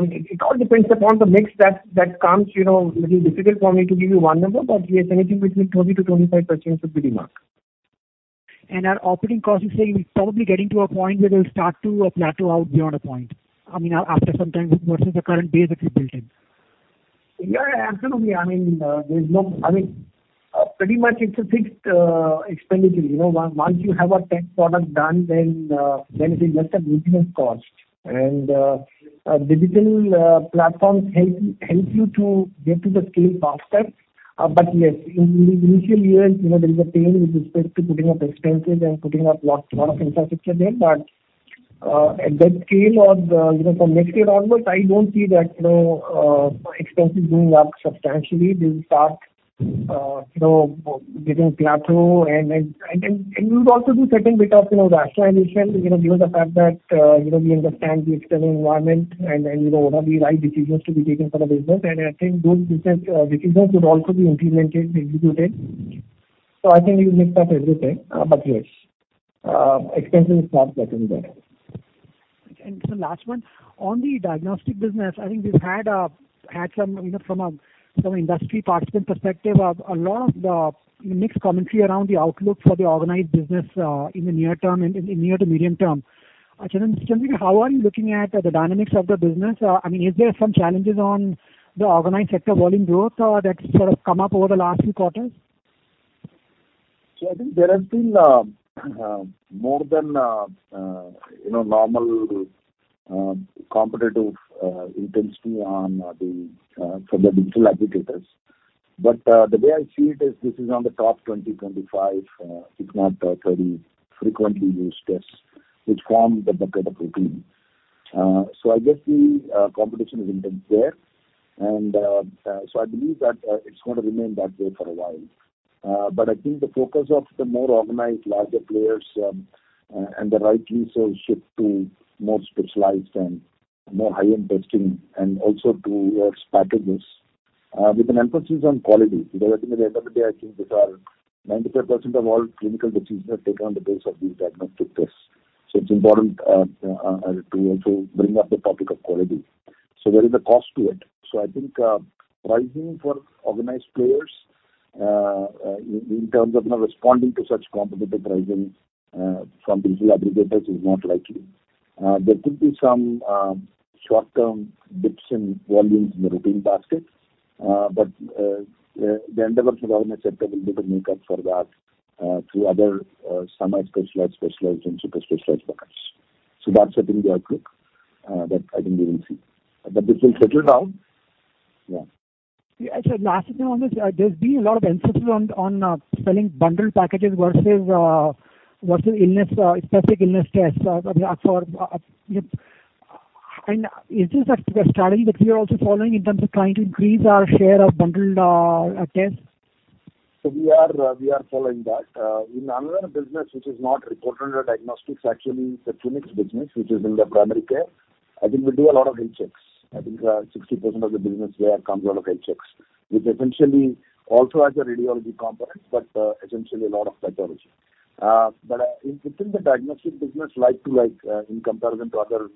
mean, it all depends upon the mix that comes, you know. It is difficult for me to give you 1 number, but, yes, anything between 20%-25% should be the mark. Our operating costs, you say, is probably getting to a point where they'll start to plateau out beyond a point. I mean, after some time versus the current base that you've built in. Yeah, absolutely. I mean, pretty much it's a fixed expenditure. You know, once you have a tech product done, then it is just a maintenance cost. Digital platforms help you to get to the scale faster. Yes, in initial years, you know, there is a pain with respect to putting up expenses and putting up lot of infrastructure there. At that scale of, you know, from next year onwards, I don't see that, you know, expenses going up substantially. They'll start, you know, getting plateau and we would also do certain bit of, you know, rationalization. You know, given the fact that, you know, we understand the external environment and, you know, what are the right decisions to be taken for the business. I think those decisions would also be implemented, executed. I think we'll mix up everything. Yes, expenses will start getting better. Sir, last one. On the diagnostic business, I think we've had some, you know, from an industry participant perspective, a lot of the mixed commentary around the outlook for the organized business, in the near term and in near to medium term. How are you looking at the dynamics of the business? I mean, is there some challenges on the organized sector volume growth, that's sort of come up over the last few quarters? I think there has been more than you know normal competitive intensity on the from the digital aggregators. The way I see it is this is on the top 20, 25, if not 30 frequently used tests which form the bucket of routine. I guess the competition is intense there. I believe that it's gonna remain that way for a while. I think the focus of the more organized larger players, and the right research shift to more specialized and more high-end testing and also to specialist with an emphasis on quality. Because at the end of the day, I think these are 95% of all clinical decisions are taken on the basis of these diagnostic tests. It's important to bring up the topic of quality. There is a cost to it. I think pricing for organized players in terms of, you know, responding to such competitive pricing from these aggregators is not likely. There could be some short-term dips in volumes in the routine basket. The endeavors the government sector will be able to make up for that through other semi-specialized, specialized, and super specialized buckets. That's I think the outlook that I think we will see. But this will settle down. Yeah. Yeah. Last thing on this. There's been a lot of emphasis on selling bundled packages versus specific illness tests for. Is this a strategy that we are also following in terms of trying to increase our share of bundled tests? We are following that. In another business which is not reported under diagnostics, actually it's a clinics business, which is in the primary care. I think we do a lot of health checks. I think, 60% of the business there comes out of health checks, which essentially also has a radiology component, but essentially a lot of pathology. Including the diagnostic business like to like, in comparison to other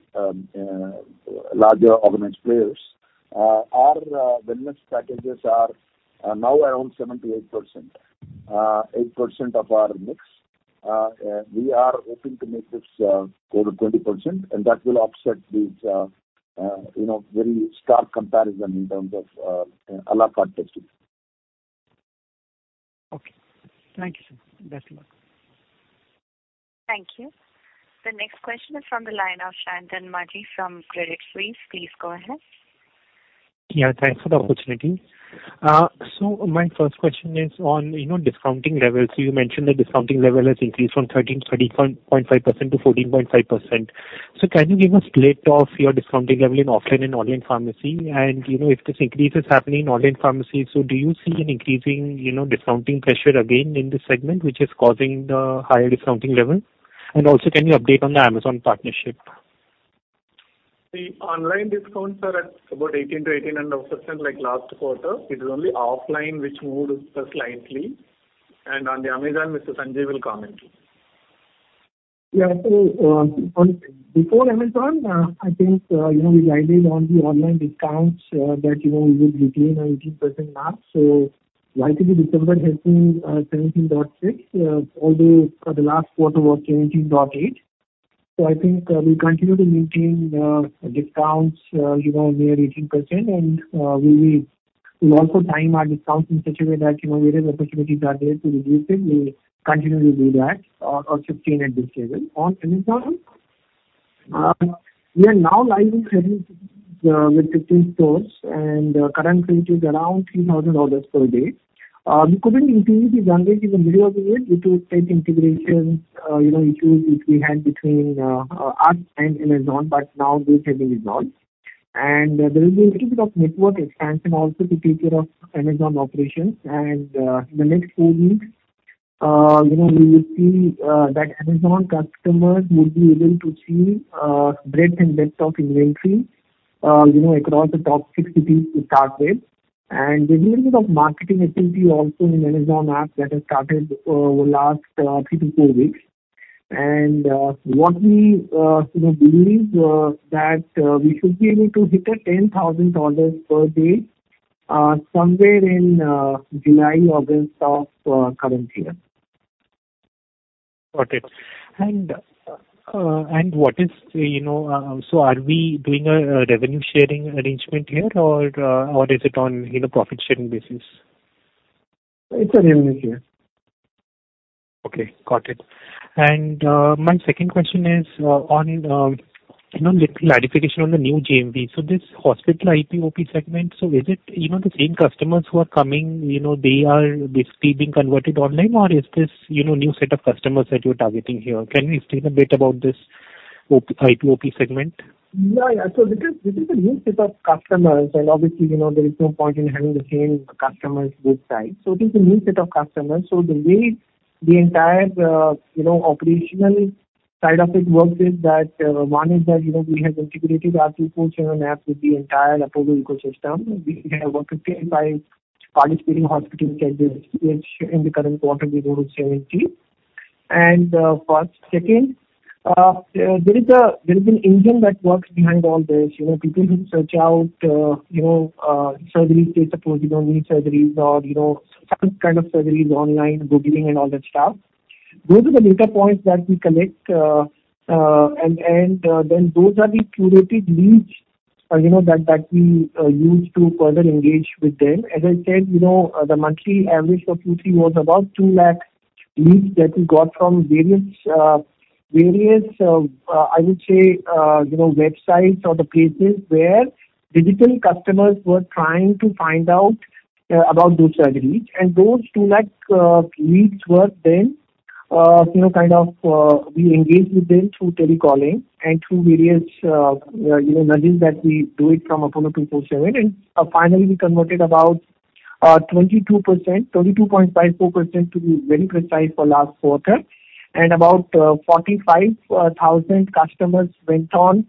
larger organized players, our wellness packages are now around 78%, 8% of our mix. We are hoping to make this go to 20%, and that will offset these, you know, very stark comparison in terms of à la carte testing. Okay. Thank you, sir. Best of luck. Thank you. The next question is from the line of Shantan Majhi from Credit Suisse. Please go ahead. Thanks for the opportunity. My first question is on, you know, discounting levels. You mentioned the discounting level has increased from 13% -14.5%. Can you give a split of your discounting level in offline and online pharmacy? You know, if this increase is happening in online pharmacy, do you see an increasing, you know, discounting pressure again in this segment, which is causing the higher discounting level? Also, can you update on the Amazon partnership? The online discounts are at about 18%-18.5% like last quarter. It is only offline which moved slightly. On the Amazon, Mr. Sanjiv will comment. Yeah. On before Amazon, I think, you know, we guided on the online discounts, that, you know, we would retain our 18% mark. Last year December had been 17.6%, although for the last quarter was 17.8%. I think, we'll continue to maintain discounts, you know, near 18%. We'll also time our discounts in such a way that, you know, wherever opportunities are there to reduce it, we'll continue to do that or sustain at this level. On Amazon, we are now live in 30, with 15 stores and current sales is around 3,000 orders per day. We couldn't increase the bandwidth in the middle of the year due to tech integrations, you know, issues which we had between us and Amazon, but now those have been resolved. There will be a little bit of network expansion also to take care of Amazon operations. In the next 4 weeks, you know, we will see that Amazon customers will be able to see breadth and depth of inventory, you know, across the top 6 cities to start with. There's a little bit of marketing activity also in Amazon app that has started over last 3 to 4 weeks. What we, you know, believe that we should be able to hit a 10,000 orders per day somewhere in July, August of current year. Got it. What is, you know, so are we doing a revenue sharing arrangement here or is it on, you know, profit sharing basis? It's a revenue share. Okay. Got it. My second question is on, you know, little clarification on the new GMV. This hospital IPOP segment, so is it, you know, the same customers who are coming, you know, they are basically being converted online, or is this, you know, new set of customers that you're targeting here? Can you explain a bit about this IPOP segment? Yeah, yeah. This is a new set of customers, and obviously, you know, there is no point in having the same customers both sides. It is a new set of customers. The way the entire, you know, operational side of it works is that, one is that, you know, we have integrated our 24|7 app with the entire Apollo ecosystem. We have over 105 participating hospitals like this, which in the current quarter we do 70. For second, there is an engine that works behind all this. You know, people who search out, you know, surgery, say suppose you know knee surgeries or, you know, some kind of surgeries online, Googling and all that stuff. Those are the data points that we collect. Then those are the curated leads, you know, that we use to further engage with them. As I said, you know, the monthly average for Q3 was about 2 lakh leads that we got from various, I would say, you know, websites or the places where digital customers were trying to find out about those surgeries. Those 2 lakh leads were then, you know, kind of, we engaged with them through telecalling and through various, you know, nudges that we do it from Apollo 24|7. Finally we converted about 22%, 22.54% to be very precise for last quarter. About 45,000 customers went on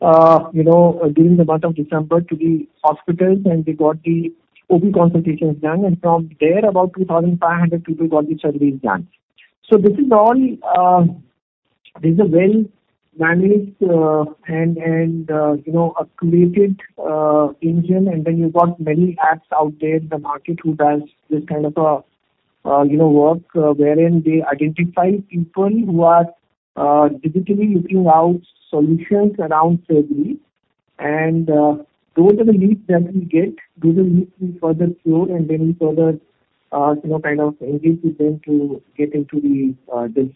during the month of December to the hospitals, and they got the OB consultations done. From there, about 2,500 people got the surgeries done. This is all, this is a well-managed and curated engine. Then you've got many apps out there in the market who does this kind of work wherein they identify people who are digitally looking out solutions around surgery. Those are the leads that we get. Those are leads we further cure, and then we further kind of engage with them to get into the this.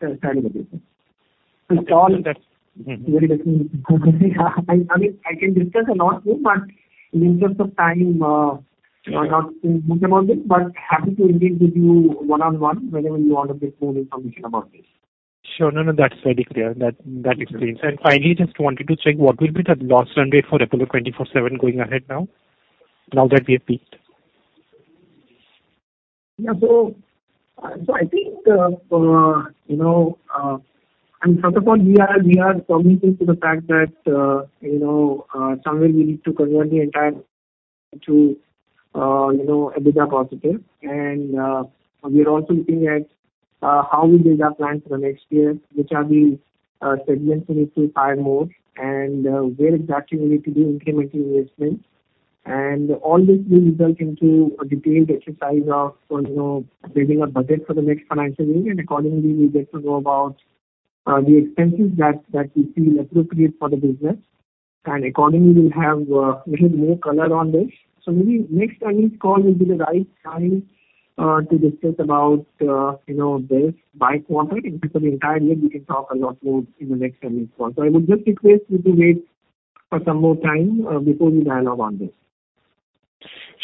Okay. That's. I mean, I can discuss a lot more, but in interest of time, I'll not speak much about this. Happy to engage with you one-on-one whenever you want to get more information about this. Sure. No, no, that's very clear. That, that explains. Finally, just wanted to check what will be the loss runway for Apollo 24|7 going ahead now that we have peaked? Yeah. I think, you know, first of all, we are committed to the fact that, you know, somewhere we need to convert the entire to, you know, EBITDA positive. We are also looking at how we build our plan for the next year, which are the segments we need to hire more, and where exactly we need to do incremental investments. All this will result into a detailed exercise of, you know, building a budget for the next financial year. Accordingly, we get to know about the expenses that we feel appropriate for the business. Accordingly, we'll have little more color on this. Maybe next earnings call will be the right time to discuss about, you know, this by quarter. In between the entire year, we can talk a lot more in the next earnings call. I would just request you to wait for some more time before we dialogue on this.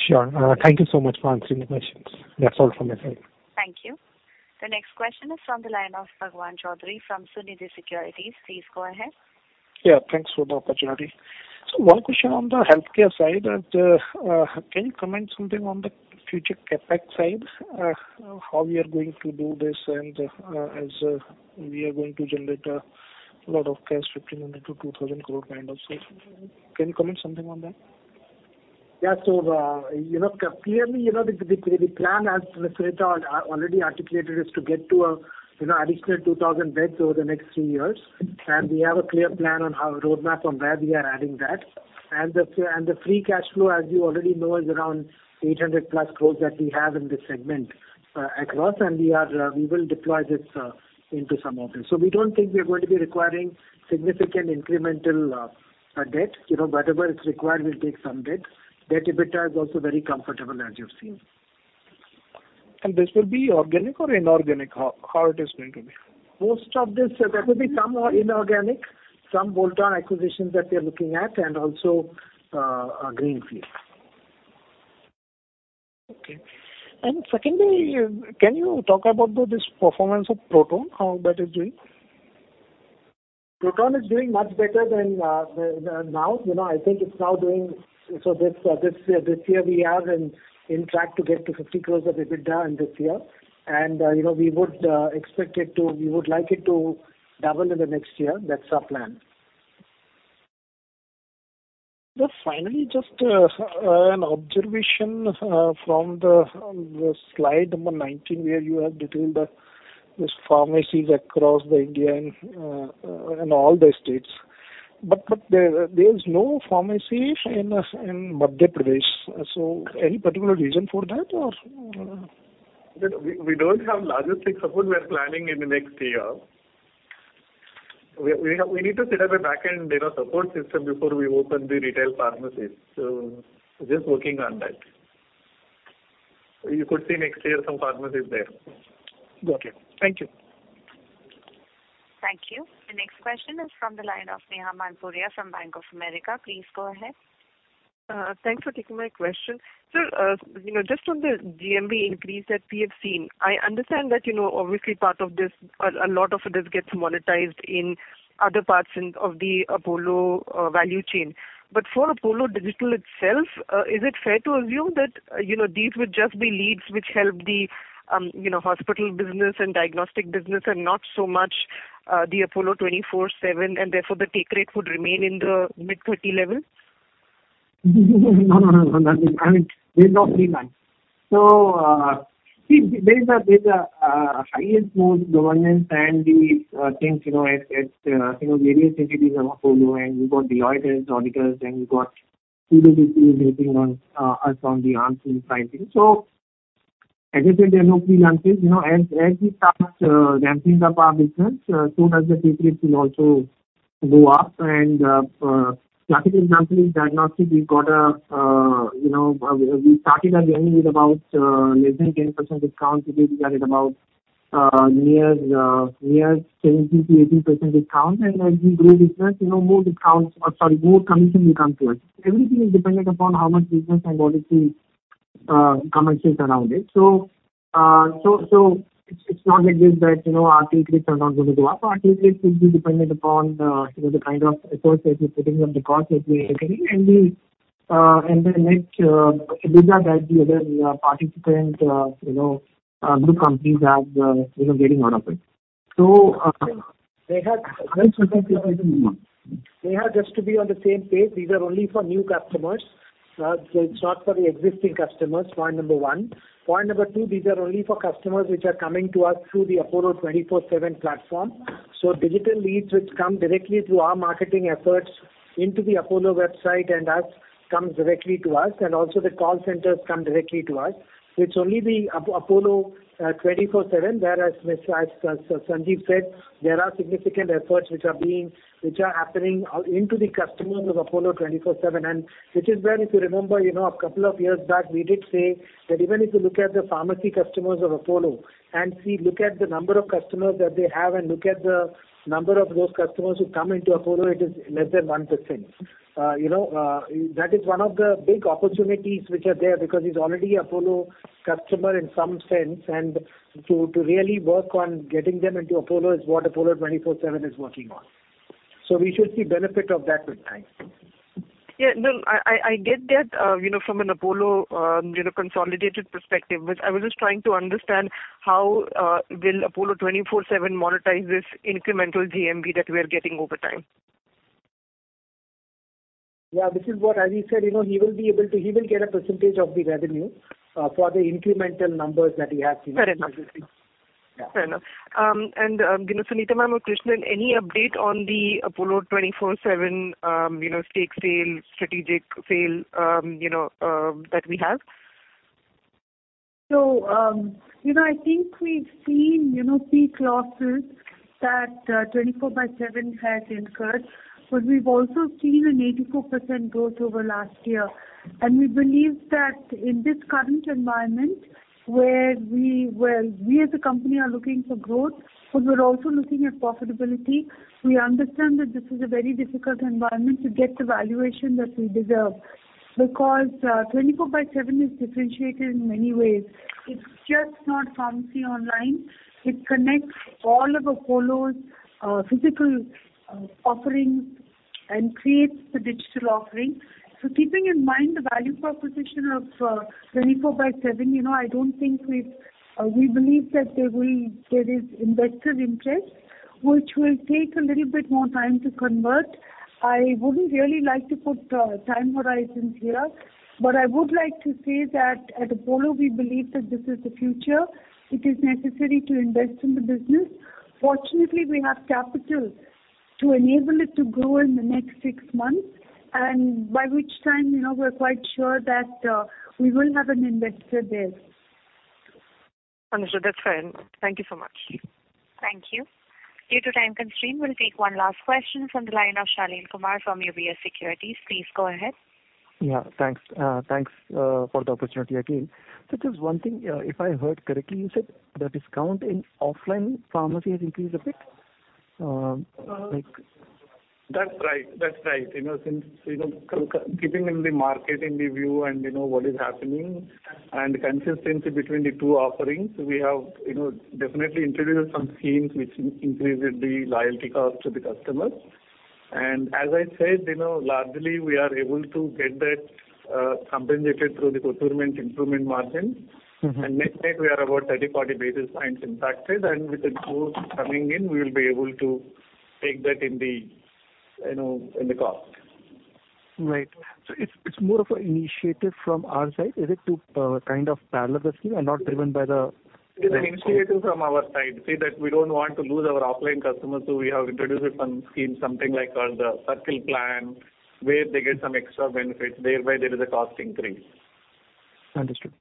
Sure. Thank you so much for answering the questions. That's all from my side. Thank you. The next question is from the line of Bhagwan Chaudhary from Sunidhi Securities. Please go ahead. Yeah. Thanks for the opportunity. One question on the healthcare side that, can you comment something on the future CapEx side? How we are going to do this and, as, we are going to generate a lot of cash, 1,500 crore to 2,000 crore kind of sales. Can you comment something on that? Clearly, you know, the plan as Preetha already articulated is to get to a, you know, additional 2,000 beds over the next 3 years. We have a clear plan on roadmap on where we are adding that. The free cash flow, as you already know, is around 800+ crores that we have in this segment, across, we will deploy this into some of this. We don't think we are going to be requiring significant incremental debt. You know, whatever is required, we'll take some debt. Debt EBITDA is also very comfortable, as you've seen. This will be organic or inorganic? How it is going to be? Most of this, there will be some inorganic, some bolt-on acquisitions that we are looking at, and also, a greenfield. Okay. Secondly, can you talk about this performance of Proton, how that is doing? Proton is doing much better than now. You know, I think it's now doing. This year we are in track to get to 50 crore of EBITDA in this year. You know, we would expect it to. We would like it to double in the next year. That's our plan. Just finally, just an observation, from the slide number 19, where you have detailed those pharmacies across India and all the states. There's no pharmacies in Madhya Pradesh. Any particular reason for that or? We don't have logistics support we're planning in the next year. We need to set up a back-end, you know, support system before we open the retail pharmacies. Just working on that. You could see next year some pharmacies there. Got it. Thank you. Thank you. The next question is from the line of Neha Manpuria from Bank of America. Please go ahead. Thanks for taking my question. Sir, you know, just on the GMV increase that we have seen, I understand that, you know, obviously part of this, a lot of this gets monetized in other parts in, of the Apollo value chain. For Apollo Digital itself, is it fair to assume that, you know, these would just be leads which help the, you know, hospital business and diagnostic business and not so much, the Apollo 24|7, and therefore the take rate would remain in the mid 30 levels? No, no, no. I mean, there's no free lunch. See, there is a highest mode governance and things, you know, at, you know, various entities of Apollo, and we've got Deloitte auditors, and we've got PwC rating on us on the arms and pricing. As I said, there are no free lunches. You know, as we start ramping up our business, so does the take rates will also go up and classic example is diagnostics. We've got a, you know, we started at the beginning with about less than 10% discount. Today we are at about near 17%-18% discount. As we grow business, you know, more discounts or sorry, more commission will come to us. Everything is dependent upon how much business and what is the commensurate around it. It's not like this that, you know, our take rates are not going to go up. Our take rates will be dependent upon, you know, the kind of efforts that we're putting and the costs that we are taking. We and then make better than the other participant, you know, group companies are, you know, getting out of it. They have- One second. One moment. They have just to be on the same page. These are only for new customers, so it's not for the existing customers, point number one. Point number two, these are only for customers which are coming to us through the Apollo 24|7 platform. Digital leads which come directly through our marketing efforts into the Apollo website and us, comes directly to us, and also the call centers come directly to us. It's only the Apollo 24|7, whereas as Sanjeev said, there are significant efforts which are happening, into the customers of Apollo 24|7. Which is where if you remember, you know, a couple of years back, we did say that even if you look at the pharmacy customers of Apollo, and look at the number of customers that they have and look at the number of those customers who come into Apollo, it is less than 1%. You know, that is one of the big opportunities which are there because he's already Apollo customer in some sense. To really work on getting them into Apollo is what Apollo 24|7 is working on. We should see benefit of that with time. I get that, you know, from an Apollo, you know, consolidated perspective. I was just trying to understand how will Apollo 24|7 monetize this incremental GMV that we are getting over time. Yeah. This is what Ajit said. You know, he will get a % of the revenue for the incremental numbers that he has. Fair enough. Yeah. Fair enough. You know, Suneeta ma'am or Krishnan, any update on the Apollo 24|7, you know, stake sale, strategic sale, you know, that we have? You know, I think we've seen, you know, pre-losses that 24|7 has incurred. We've also seen an 84% growth over last year. We believe that in this current environment where we, well, as a company are looking for growth, but we're also looking at profitability. We understand that this is a very difficult environment to get the valuation that we deserve because 24|7 is differentiated in many ways. It's just not pharmacy online. It connects all of Apollo's physical offerings and creates the digital offering. Keeping in mind the value proposition of 24|7, you know, we believe that there is investor interest which will take a little bit more time to convert. I wouldn't really like to put time horizons here. I would like to say that at Apollo we believe that this is the future. It is necessary to invest in the business. Fortunately, we have capital to enable it to grow in the next six months. By which time, you know, we're quite sure that we will have an investor there. Understood. That's fine. Thank you so much. Thank you. Due to time constraint, we'll take one last question from the line of Shaleen Kumar from UBS Securities. Please go ahead. Yeah. Thanks. Thanks for the opportunity again. Just one thing, if I heard correctly, you said the discount in offline pharmacy has increased a bit? That's right. That's right. You know, since, you know, keeping in the market in the view and you know what is happening and consistency between the two offerings, we have, you know, definitely introduced some schemes which increase the loyalty cost to the customers. As I said, you know, largely we are able to get that compensated through the procurement improvement margin. Mm-hmm. Net-net we are about 30, 40 basis points impacted, and with the growth coming in, we will be able to take that in the, you know, in the cost. Right. It's more of an initiative from our side. Is it to, kind of parallel the scheme and not driven by It's an initiative from our side. Say that we don't want to lose our offline customers. We have introduced some scheme, something like the Circle Membership, where they get some extra benefits, thereby there is a cost increase. Understood.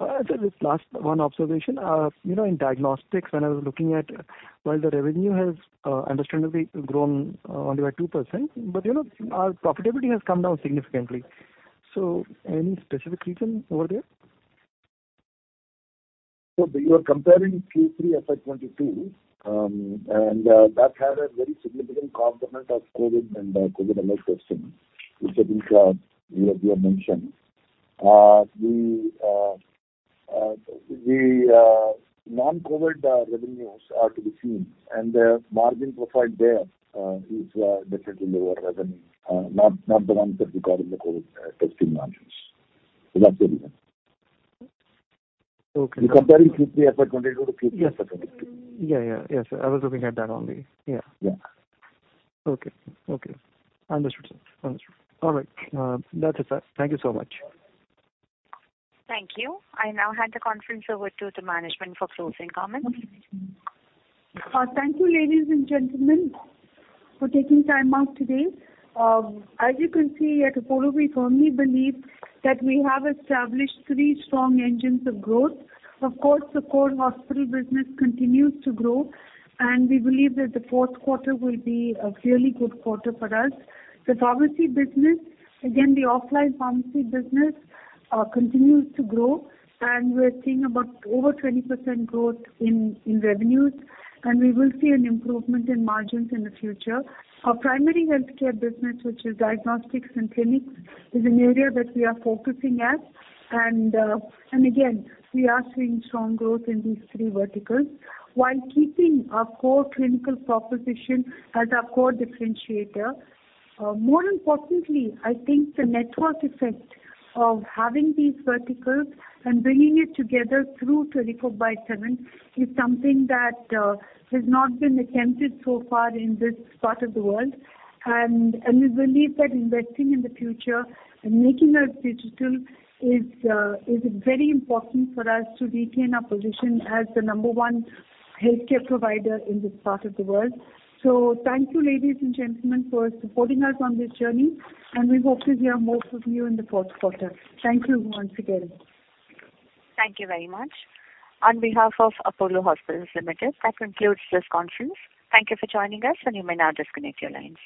Understood. Just last one observation. You know, in diagnostics, when I was looking at while the revenue has understandably grown only by 2%. You know, profitability has come down significantly. Any specific reason over there? You are comparing Q3 FY22, and that had a very significant component of COVID and COVID-related testing, which I think you have mentioned. The non-COVID revenues are to be seen, and the margin profile there is definitely lower revenue, not the ones that we got in the COVID testing margins. That's the reason. Okay. You're comparing Q3 FY22-Q3 FY23. Yes. Yeah, yeah. Yes, I was looking at that only. Yeah. Yeah. Okay. Okay. Understood, sir. Understood. All right, that's it, sir. Thank you so much. Thank you. I now hand the conference over to the management for closing comments. Thank you, ladies and gentlemen, for taking time out today. As you can see, at Apollo we firmly believe that we have established three strong engines of growth. Of course, the core hospital business continues to grow, and we believe that the fourth quarter will be a really good quarter for us. The pharmacy business, again, the offline pharmacy business, continues to grow, and we're seeing about over 20% growth in revenues, and we will see an improvement in margins in the future. Our primary healthcare business, which is diagnostics and clinics, is an area that we are focusing at. Again, we are seeing strong growth in these three verticals while keeping our core clinical proposition as our core differentiator. More importantly, I think the network effect of having these verticals and bringing it together through 24|7 is something that has not been attempted so far in this part of the world. We believe that investing in the future and making us digital is very important for us to retain our position as the number one healthcare provider in this part of the world. Thank you, ladies and gentlemen, for supporting us on this journey, and we hope to hear most of you in the fourth quarter. Thank you once again. Thank you very much. On behalf of Apollo Hospitals Limited, that concludes this conference. Thank you for joining us, and you may now disconnect your lines.